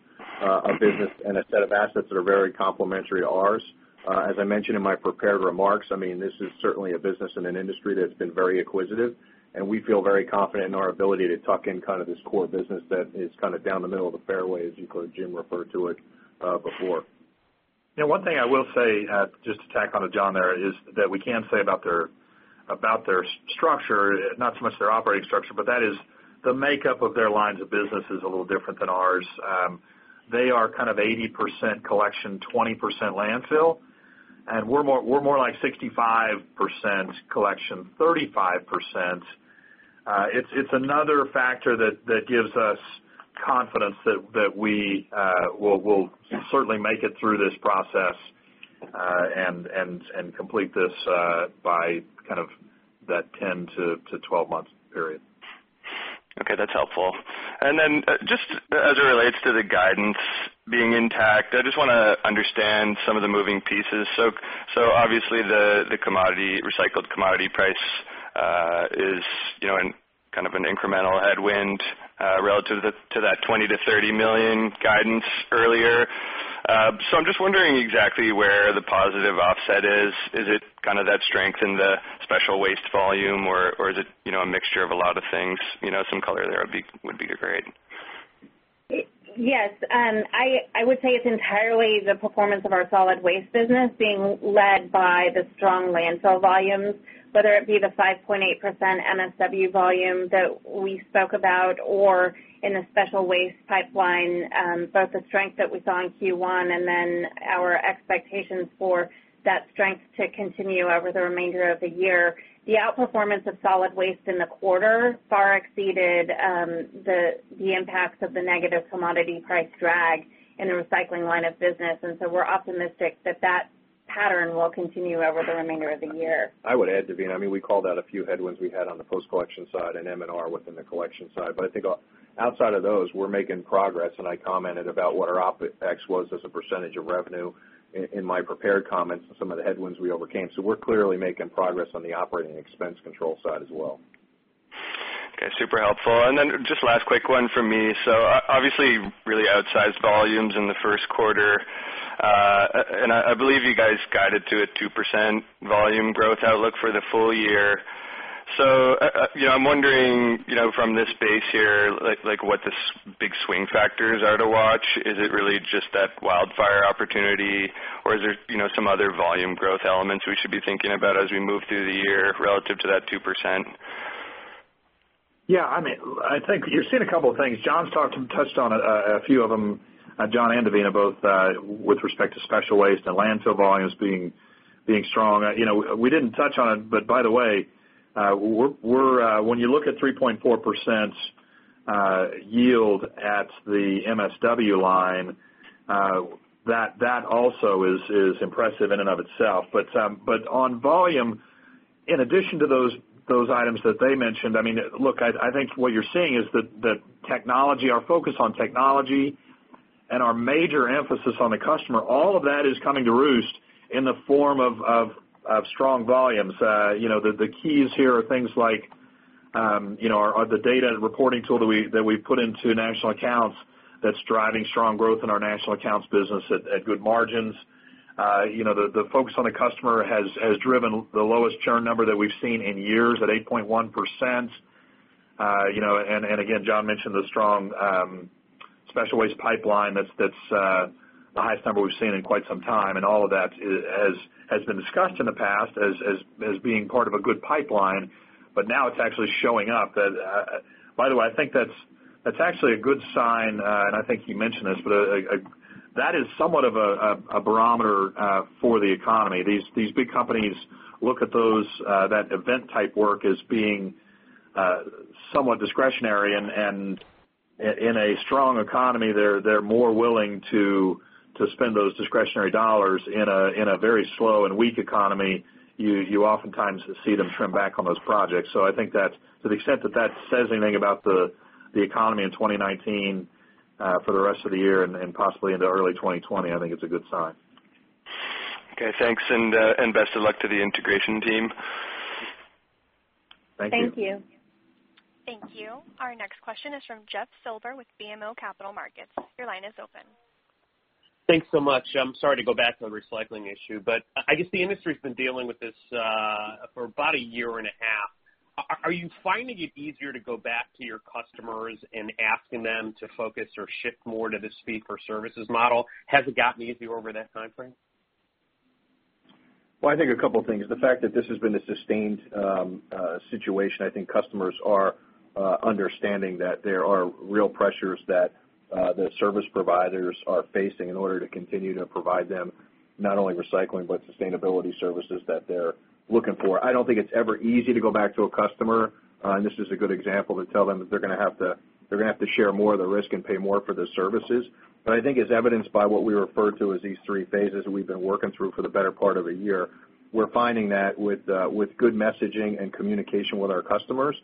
a business and a set of assets that are very complementary to ours. As I mentioned in my prepared remarks, this is certainly a business in an industry that's been very acquisitive, and we feel very confident in our ability to tuck in this core business that is down the middle of the fairway, as Jim referred to it before. One thing I will say, just to tack on to John there, is that we can say about their structure, not so much their operating structure, but that is the makeup of their lines of business is a little different than ours. They are 80% collection, 20% landfill. We're more like 65% collection, 35%. It's another factor that gives us confidence that we will certainly make it through this process and complete this by that 10-12 months period. Okay. That's helpful. Just as it relates to the guidance being intact, I just want to understand some of the moving pieces. Obviously the recycled commodity price is an incremental headwind relative to that $20 million-$30 million guidance earlier. I'm just wondering exactly where the positive offset is. Is it that strength in the special waste volume, or is it a mixture of a lot of things? Some color there would be great. Yes. I would say it's entirely the performance of our solid waste business being led by the strong landfill volumes, whether it be the 5.8% MSW volume that we spoke about or in the special waste pipeline, both the strength that we saw in Q1 and our expectations for that strength to continue over the remainder of the year. The outperformance of solid waste in the quarter far exceeded the impacts of the negative commodity price drag in the recycling line of business. We're optimistic that that pattern will continue over the remainder of the year. I would add, Devina, we called out a few headwinds we had on the post-collection side and M&R within the collection side. I think outside of those, we're making progress, and I commented about what our OpEx was as a percentage of revenue in my prepared comments and some of the headwinds we overcame. We're clearly making progress on the operating expense control side as well. Okay. Super helpful. Just last quick one from me. Obviously really outsized volumes in the first quarter. I believe you guys guided to a 2% volume growth outlook for the full year. I'm wondering from this base here, what the big swing factors are to watch. Is it really just that wildfire opportunity, or is there some other volume growth elements we should be thinking about as we move through the year relative to that 2%? Yeah, I think you're seeing a couple of things. John's touched on a few of them, John and Devina both, with respect to special waste and landfill volumes being strong. We didn't touch on it, but by the way, when you look at 3.4% yield at the MSW line, that also is impressive in and of itself. On volume, in addition to those items that they mentioned, look, I think what you're seeing is that our focus on technology and our major emphasis on the customer, all of that is coming to roost in the form of strong volumes. The keys here are things like the data reporting tool that we've put into national accounts that's driving strong growth in our national accounts business at good margins. The focus on the customer has driven the lowest churn number that we've seen in years at 8.1%. Again, John mentioned the strong special waste pipeline that's the highest number we've seen in quite some time, and all of that has been discussed in the past as being part of a good pipeline, but now it's actually showing up. By the way, I think that's actually a good sign, and I think you mentioned this, but that is somewhat of a barometer for the economy. These big companies look at that event-type work as being somewhat discretionary, and in a strong economy, they're more willing to spend those discretionary dollars. In a very slow and weak economy, you oftentimes see them trim back on those projects. I think that to the extent that that says anything about the economy in 2019 for the rest of the year and possibly into early 2020, I think it's a good sign. Okay, thanks, and best of luck to the integration team. Thank you. Thank you. Thank you. Our next question is from Jeff Silber with BMO Capital Markets. Your line is open. Thanks so much. I'm sorry to go back to the recycling issue, but I guess the industry's been dealing with this for about a year and a half. Are you finding it easier to go back to your customers and asking them to focus or shift more to this fee-for-services model? Has it gotten easier over that time frame? Well, I think a couple of things. The fact that this has been a sustained situation, I think customers are understanding that there are real pressures that the service providers are facing in order to continue to provide them, not only recycling, but sustainability services that they're looking for. I don't think it's ever easy to go back to a customer, and this is a good example, to tell them that they're going to have to share more of the risk and pay more for the services. I think as evidenced by what we refer to as these three phases that we've been working through for the better part of a year, we're finding that with good messaging and communication with our customers,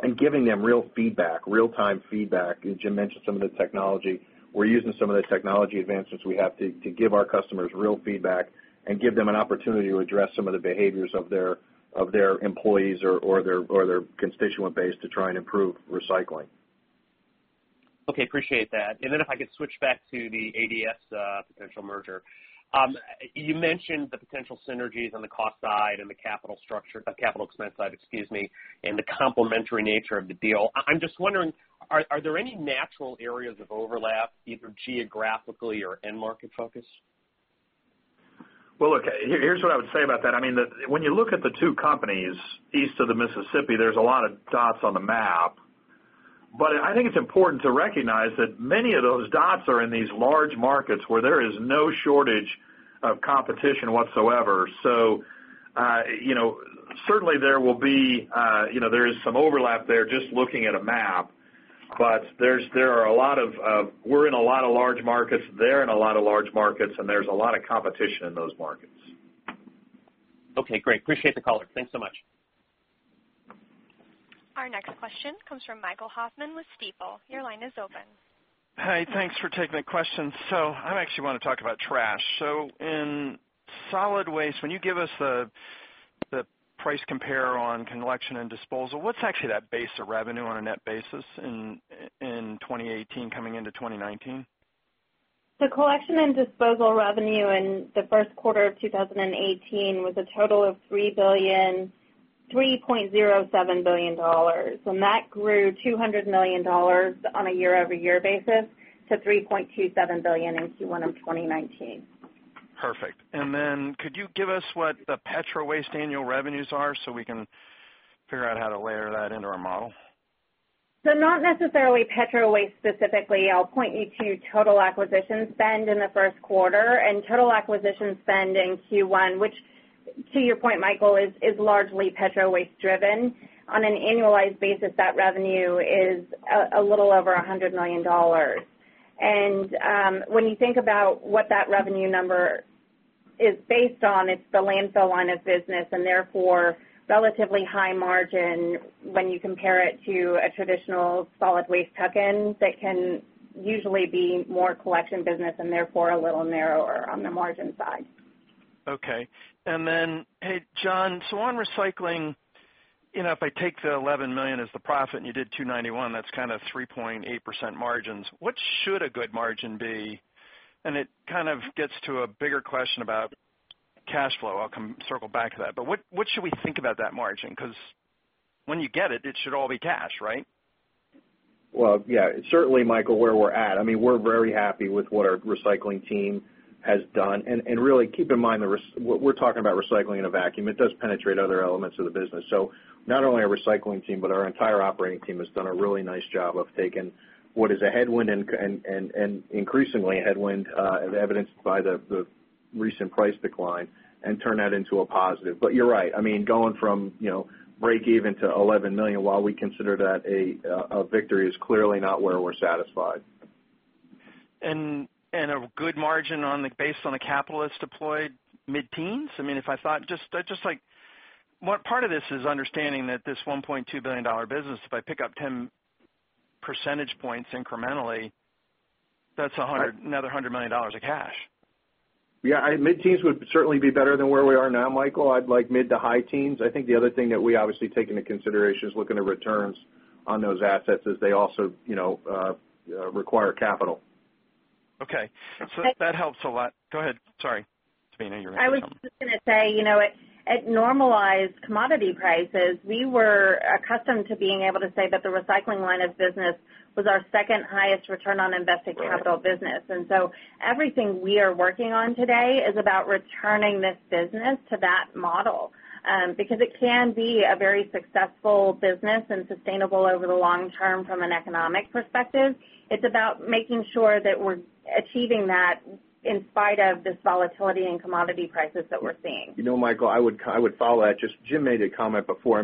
and giving them real feedback, real-time feedback, Jim mentioned some of the technology, we're using some of the technology advancements we have to give our customers real feedback and give them an opportunity to address some of the behaviors of their employees or their constituent base to try and improve recycling. Okay. Appreciate that. Then if I could switch back to the ADS potential merger. You mentioned the potential synergies on the cost side and the capital expense side, excuse me, and the complementary nature of the deal. I'm just wondering, are there any natural areas of overlap, either geographically or end-market focus? Well, look, here's what I would say about that. When you look at the two companies east of the Mississippi, there's a lot of dots on the map, but I think it's important to recognize that many of those dots are in these large markets where there is no shortage of competition whatsoever. Certainly there is some overlap there, just looking at a map, but we're in a lot of large markets, they're in a lot of large markets, and there's a lot of competition in those markets. Okay, great. Appreciate the color. Thanks so much. Our next question comes from Michael Hoffman with Stifel. Your line is open. Hi. Thanks for taking the question. I actually want to talk about trash. In solid waste, when you give us the price compare on collection and disposal, what's actually that base of revenue on a net basis in 2018 coming into 2019? The collection and disposal revenue in the first quarter of 2018 was a total of $3.07 billion, and that grew $200 million on a year-over-year basis to $3.27 billion in Q1 of 2019. Perfect. Could you give us what the Petro Waste annual revenues are so we can figure out how to layer that into our model? Not necessarily Petro Waste specifically. I'll point you to total acquisition spend in the first quarter, and total acquisition spend in Q1, which to your point, Michael, is largely Petro Waste driven. On an annualized basis, that revenue is a little over $100 million. When you think about what that revenue number is based on, it's the landfill line of business, and therefore, relatively high margin when you compare it to a traditional solid waste tuck-in that can usually be more collection business, and therefore, a little narrower on the margin side. Okay. Hey, John, on recycling, if I take the $11 million as the profit and you did $291, that's kind of 3.8% margins. What should a good margin be? It kind of gets to a bigger question about cash flow. I'll circle back to that, but what should we think about that margin? Because when you get it should all be cash, right? Well, yeah. Certainly, Michael, where we're at, we're very happy with what our recycling team has done, and really, keep in mind, we're talking about recycling in a vacuum. It does penetrate other elements of the business. Not only our recycling team, but our entire operating team, has done a really nice job of taking what is a headwind, and increasingly a headwind, as evidenced by the recent price decline, and turn that into a positive. You're right. Going from breakeven to $11 million, while we consider that a victory, is clearly not where we're satisfied. A good margin based on the capital that's deployed, mid-teens? If I thought Part of this is understanding that this $1.2 billion business, if I pick up 10 percentage points incrementally, that's another $100 million of cash. Mid-teens would certainly be better than where we are now, Michael. I'd like mid to high teens. I think the other thing that we obviously take into consideration is looking at returns on those assets as they also require capital. That helps a lot. Go ahead, sorry. Devina, you were going to say something. I was just going to say, at normalized commodity prices, we were accustomed to being able to say that the recycling line of business was our second highest return on invested capital business. Everything we are working on today is about returning this business to that model, because it can be a very successful business and sustainable over the long term from an economic perspective. It's about making sure that we're achieving that in spite of this volatility in commodity prices that we're seeing. Michael, I would follow that. Jim made a comment before.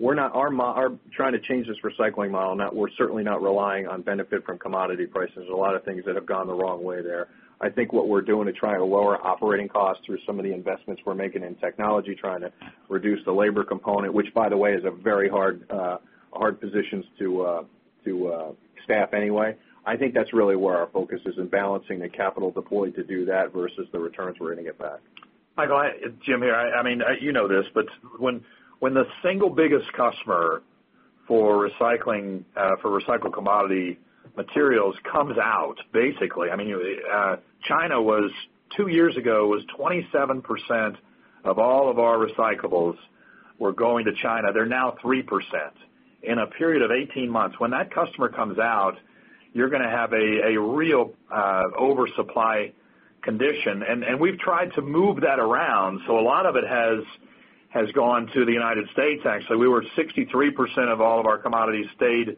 Trying to change this recycling model, we're certainly not relying on benefit from commodity prices. There's a lot of things that have gone the wrong way there. I think what we're doing to try to lower operating costs through some of the investments we're making in technology, trying to reduce the labor component, which by the way, is a very hard position to staff anyway. I think that's really where our focus is in balancing the capital deployed to do that versus the returns we're going to get back. Michael, Jim here. You know this. When the single biggest customer for recycled commodity materials comes out, basically, China two years ago, it was 27% of all of our recyclables were going to China. They're now 3% in a period of 18 months. When that customer comes out, you're going to have a real oversupply condition. We've tried to move that around, so a lot of it has gone to the United States, actually. We were 63% of all of our commodities stayed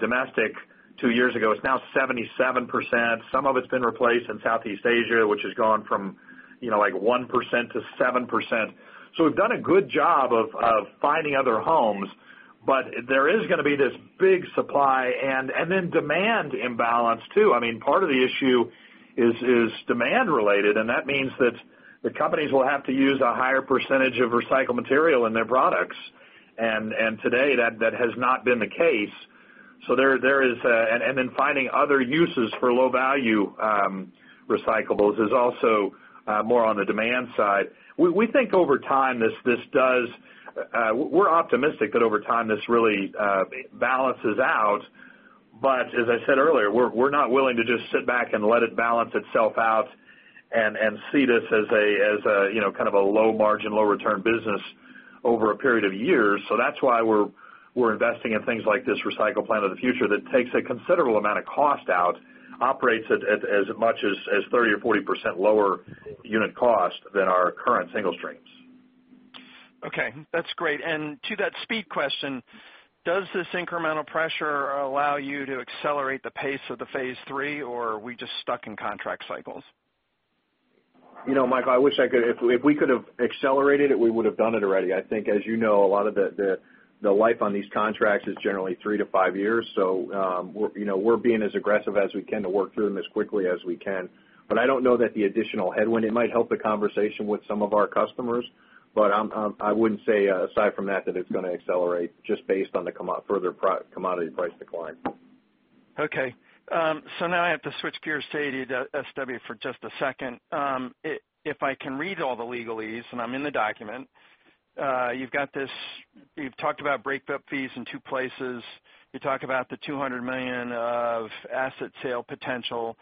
domestic two years ago. It's now 77%. Some of it's been replaced in Southeast Asia, which has gone from 1%-7%. We've done a good job of finding other homes. There is going to be this big supply and then demand imbalance, too. Part of the issue is demand related, and that means that the companies will have to use a higher percentage of recycled material in their products. Today, that has not been the case. Then finding other uses for low value recyclables is also more on the demand side. We're optimistic that over time, this really balances out. As I said earlier, we're not willing to just sit back and let it balance itself out and see this as a low margin, low return business over a period of years. That's why we're investing in things like this recycle plant of the future that takes a considerable amount of cost out, operates at as much as 30%-40% lower unit cost than our current single streams. Okay, that's great. To that speed question, does this incremental pressure allow you to accelerate the pace of the phase three, or are we just stuck in contract cycles? Michael, if we could have accelerated it, we would have done it already. I think, as you know, a lot of the life on these contracts is generally three to five years. We're being as aggressive as we can to work through them as quickly as we can. I don't know that the additional headwind, it might help the conversation with some of our customers, but I wouldn't say aside from that it's going to accelerate just based on the further commodity price decline. Okay. Now I have to switch gears to ADSW for just a second. If I can read all the legalese, and I'm in the document, you've talked about breakup fees in two places. You talk about the $200 million of asset sale potential.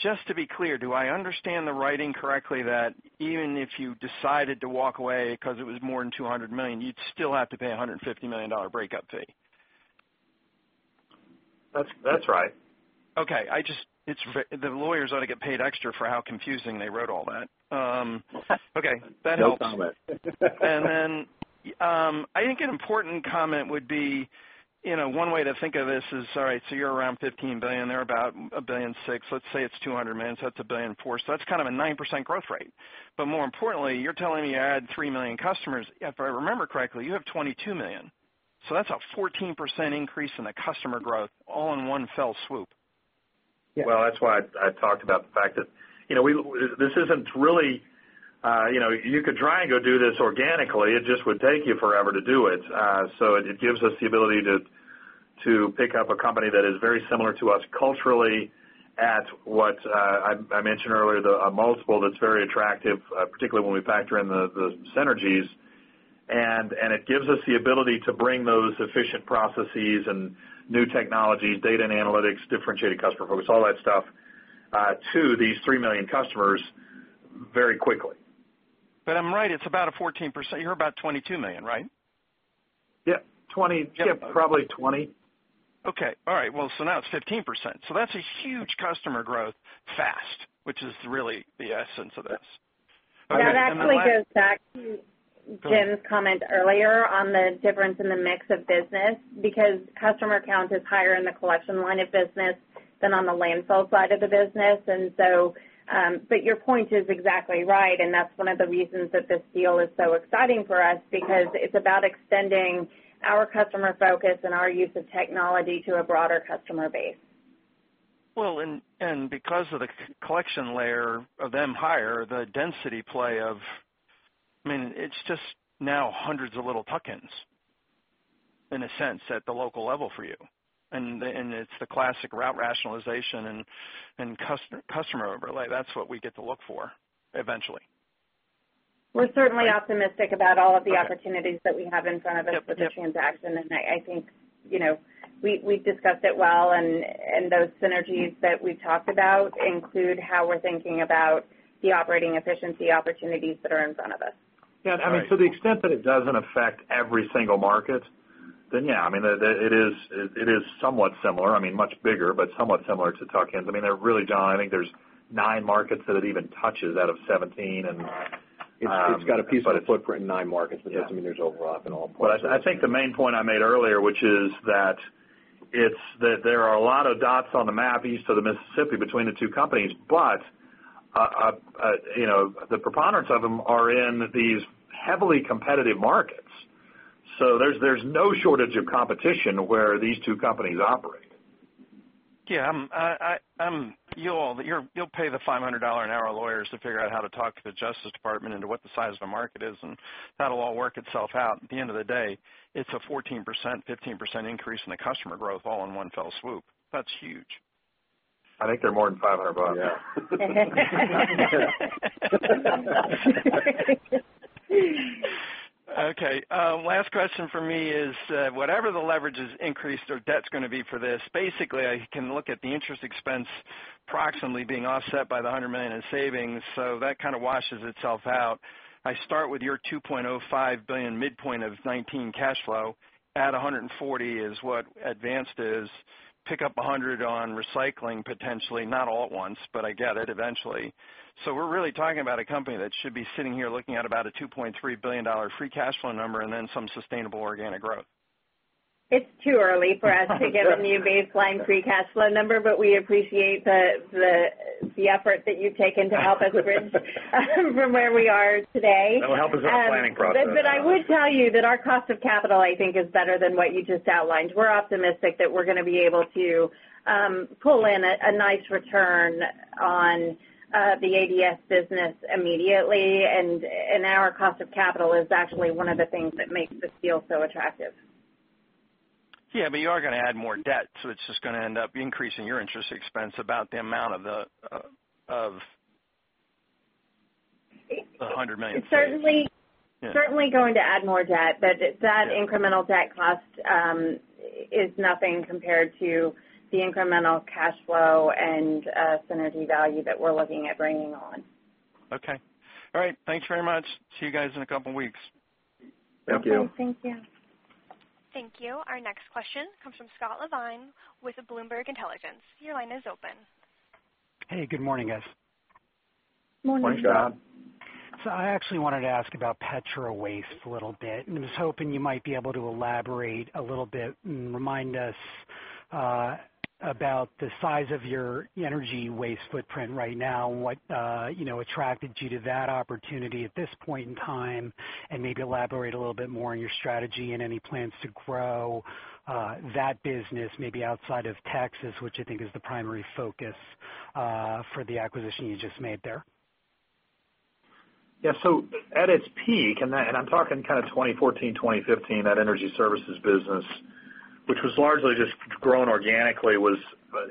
Just to be clear, do I understand the writing correctly that even if you decided to walk away because it was more than $200 million, you'd still have to pay $150 million breakup fee? That's right. Okay. The lawyers ought to get paid extra for how confusing they wrote all that. Okay, that helps. No comment. I think an important comment would be, one way to think of this is, all right, you're around $15 billion, they're about $1.6 billion. Let's say it's $200 million, that's $1.4 billion. That's a 9% growth rate. More importantly, you're telling me you add 3 million customers. If I remember correctly, you have 22 million. That's a 14% increase in the customer growth all in one fell swoop. Well, that's why I talked about the fact that you could try and go do this organically. It just would take you forever to do it. It gives us the ability to pick up a company that is very similar to us culturally at what I mentioned earlier, the multiple that's very attractive, particularly when we factor in the synergies. It gives us the ability to bring those efficient processes and new technologies, data and analytics, differentiated customer focus, all that stuff, to these 3 million customers very quickly. I'm right, it's about a 14%. You're about 22 million, right? Yeah. Probably 20. Okay. All right. Now it's 15%. That's a huge customer growth fast, which is really the essence of this. That actually goes back to Jim's comment earlier on the difference in the mix of business, because customer count is higher in the collection line of business than on the landfill side of the business. Your point is exactly right, and that's one of the reasons that this deal is so exciting for us, because it's about extending our customer focus and our use of technology to a broader customer base. Because of the collection layer of them higher, the density play of It's just now hundreds of little tuck-Ins, in a sense, at the local level for you. It's the classic route rationalization and customer overlay. That's what we get to look for eventually. We're certainly optimistic about all of the opportunities that we have in front of us with the transaction. I think we've discussed it well, those synergies that we've talked about include how we're thinking about the operating efficiency opportunities that are in front of us. Yeah. To the extent that it doesn't affect every single market, yeah, it is somewhat similar. Much bigger, but somewhat similar to tuck-Ins. Really, John, I think there's nine markets that it even touches out of 17. It's got a piece of a footprint in nine markets. Yeah. Doesn't mean there's overlap in all parts of it. I think the main point I made earlier, which is that there are a lot of dots on the map east of the Mississippi between the two companies, but the preponderance of them are in these heavily competitive markets. There's no shortage of competition where these two companies operate. You'll pay the $500 an hour lawyers to figure out how to talk to the Department of Justice into what the size of the market is, and that'll all work itself out. At the end of the day, it's a 14%, 15% increase in the customer growth all in one fell swoop. That's huge. I think they're more than $500. Yeah. Last question from me is, whatever the leverage is increased or debt's going to be for this, basically, I can look at the interest expense approximately being offset by the $100 million in savings, that kind of washes itself out. I start with your $2.05 billion midpoint of 2019 cash flow, add $140 is what Advanced is, pick up $100 on recycling, potentially, not all at once, but I get it eventually. We're really talking about a company that should be sitting here looking at about a $2.3 billion free cash flow number and then some sustainable organic growth. It's too early for us to give a new baseline free cash flow number, we appreciate the effort that you've taken to help us bridge from where we are today. That'll help us with our planning process. I would tell you that our cost of capital, I think, is better than what you just outlined. We're optimistic that we're going to be able to pull in a nice return on the ADS business immediately, and our cost of capital is actually one of the things that makes this deal so attractive. Yeah, you are going to add more debt, it's just going to end up increasing your interest expense about the amount of the $100 million. It's certainly going to add more debt, but that incremental debt cost is nothing compared to the incremental cash flow and synergy value that we're looking at bringing on. Okay. All right. Thanks very much. See you guys in a couple of weeks. Thank you. Okay, thank you. Thank you. Our next question comes from Scott Levine with Bloomberg Intelligence. Your line is open. Hey, good morning, guys. Morning. Morning, Scott. I actually wanted to ask about Petro Waste a little bit, and was hoping you might be able to elaborate a little bit and remind us about the size of your energy waste footprint right now and what attracted you to that opportunity at this point in time, and maybe elaborate a little bit more on your strategy and any plans to grow that business, maybe outside of Texas, which I think is the primary focus for the acquisition you just made there. Yeah. At its peak, and I'm talking 2014, 2015, that energy services business, which was largely just grown organically, was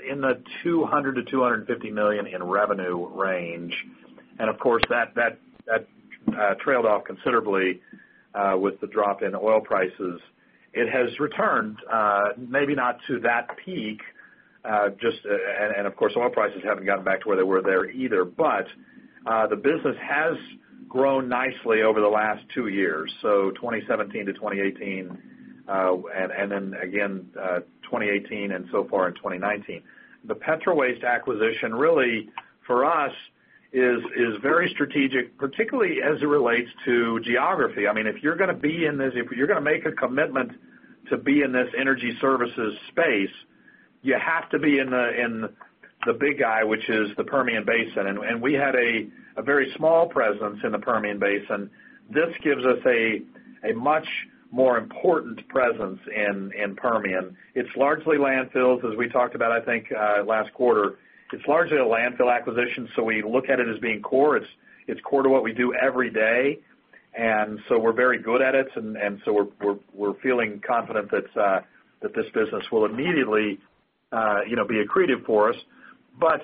in the $200 million-$250 million in revenue range. Of course, that trailed off considerably with the drop in oil prices. It has returned, maybe not to that peak, and of course, oil prices haven't gotten back to where they were there either. The business has grown nicely over the last two years, 2017-2018, and then again, 2018 and so far in 2019. The Petro Waste acquisition really for us is very strategic, particularly as it relates to geography. If you're going to make a commitment to be in this energy services space, you have to be in the big guy, which is the Permian Basin. We had a very small presence in the Permian Basin. This gives us a much more important presence in Permian. It's largely landfills, as we talked about, I think, last quarter. It's largely a landfill acquisition, so we look at it as being core. It's core to what we do every day. We're very good at it, we're feeling confident that this business will immediately be accretive for us.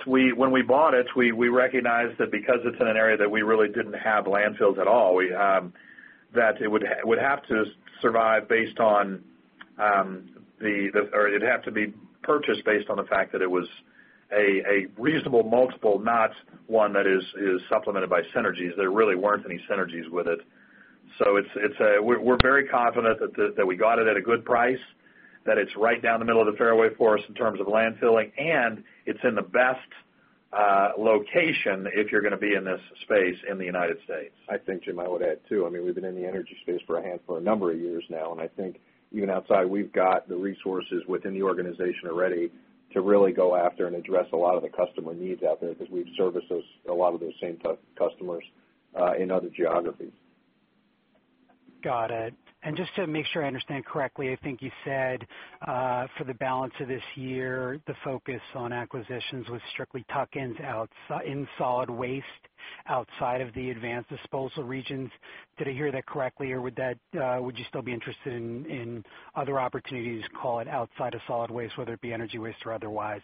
When we bought it, we recognized that because it's in an area that we really didn't have landfills at all, that it would have to be purchased based on the fact that it was a reasonable multiple, not one that is supplemented by synergies. There really weren't any synergies with it. We're very confident that we got it at a good price, that it's right down the middle of the fairway for us in terms of landfilling, and it's in the best location if you're going to be in this space in the U.S. I think, Jim, I would add too, we've been in the energy space for a number of years now, I think even outside, we've got the resources within the organization already to really go after and address a lot of the customer needs out there because we've serviced a lot of those same customers in other geographies. Got it. Just to make sure I understand correctly, I think you said, for the balance of this year, the focus on acquisitions was strictly tuck-ins in solid waste outside of the Advanced Disposal regions. Did I hear that correctly, or would you still be interested in other opportunities, call it outside of solid waste, whether it be energy waste or otherwise,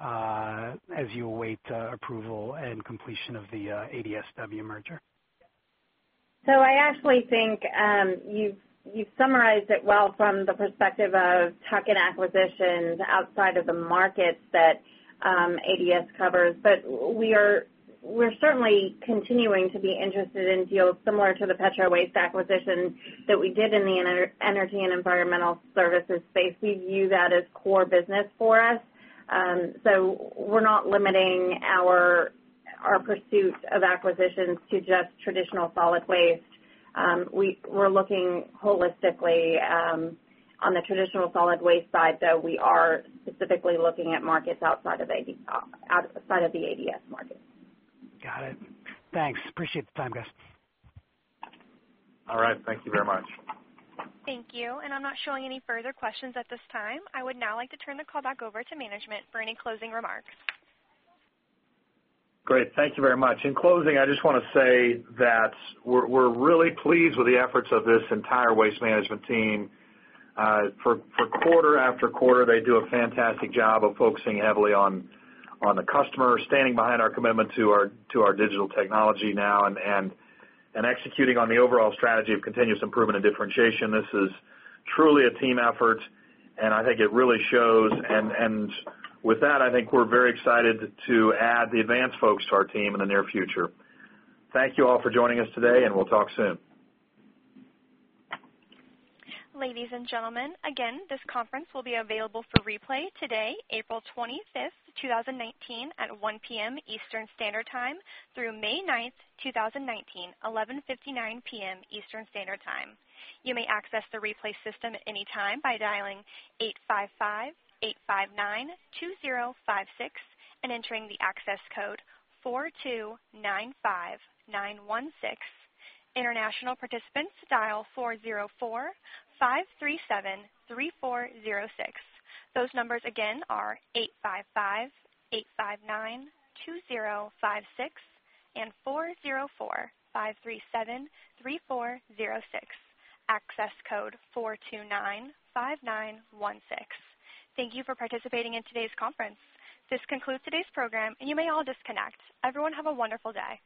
as you await approval and completion of the ADSW merger? I actually think you summarized it well from the perspective of tuck-in acquisitions outside of the markets that ADS covers. We're certainly continuing to be interested in deals similar to the Petro Waste acquisition that we did in the energy and environmental services space. We view that as core business for us. We're not limiting our pursuit of acquisitions to just traditional solid waste. We're looking holistically. On the traditional solid waste side, though, we are specifically looking at markets outside of the ADS market. Got it. Thanks. Appreciate the time, guys. All right. Thank you very much. Thank you. I'm not showing any further questions at this time. I would now like to turn the call back over to management for any closing remarks. Great. Thank you very much. In closing, I just want to say that we're really pleased with the efforts of this entire Waste Management team. For quarter after quarter, they do a fantastic job of focusing heavily on the customer, standing behind our commitment to our digital technology now, and executing on the overall strategy of continuous improvement and differentiation. This is truly a team effort, and I think it really shows. With that, I think we're very excited to add the Advanced folks to our team in the near future. Thank you all for joining us today, and we'll talk soon. Ladies and gentlemen, again, this conference will be available for replay today, April 25th, 2019, at 1:00 P.M. Eastern Standard Time through May 9th, 2019, 11:59 P.M. Eastern Standard Time. You may access the replay system at any time by dialing 855-859-2056 and entering the access code 4295916. International participants dial 404-537-3406. Those numbers again are 855-859-2056 and 404-537-3406, access code 4295916. Thank you for participating in today's conference. This concludes today's program, you may all disconnect. Everyone have a wonderful day.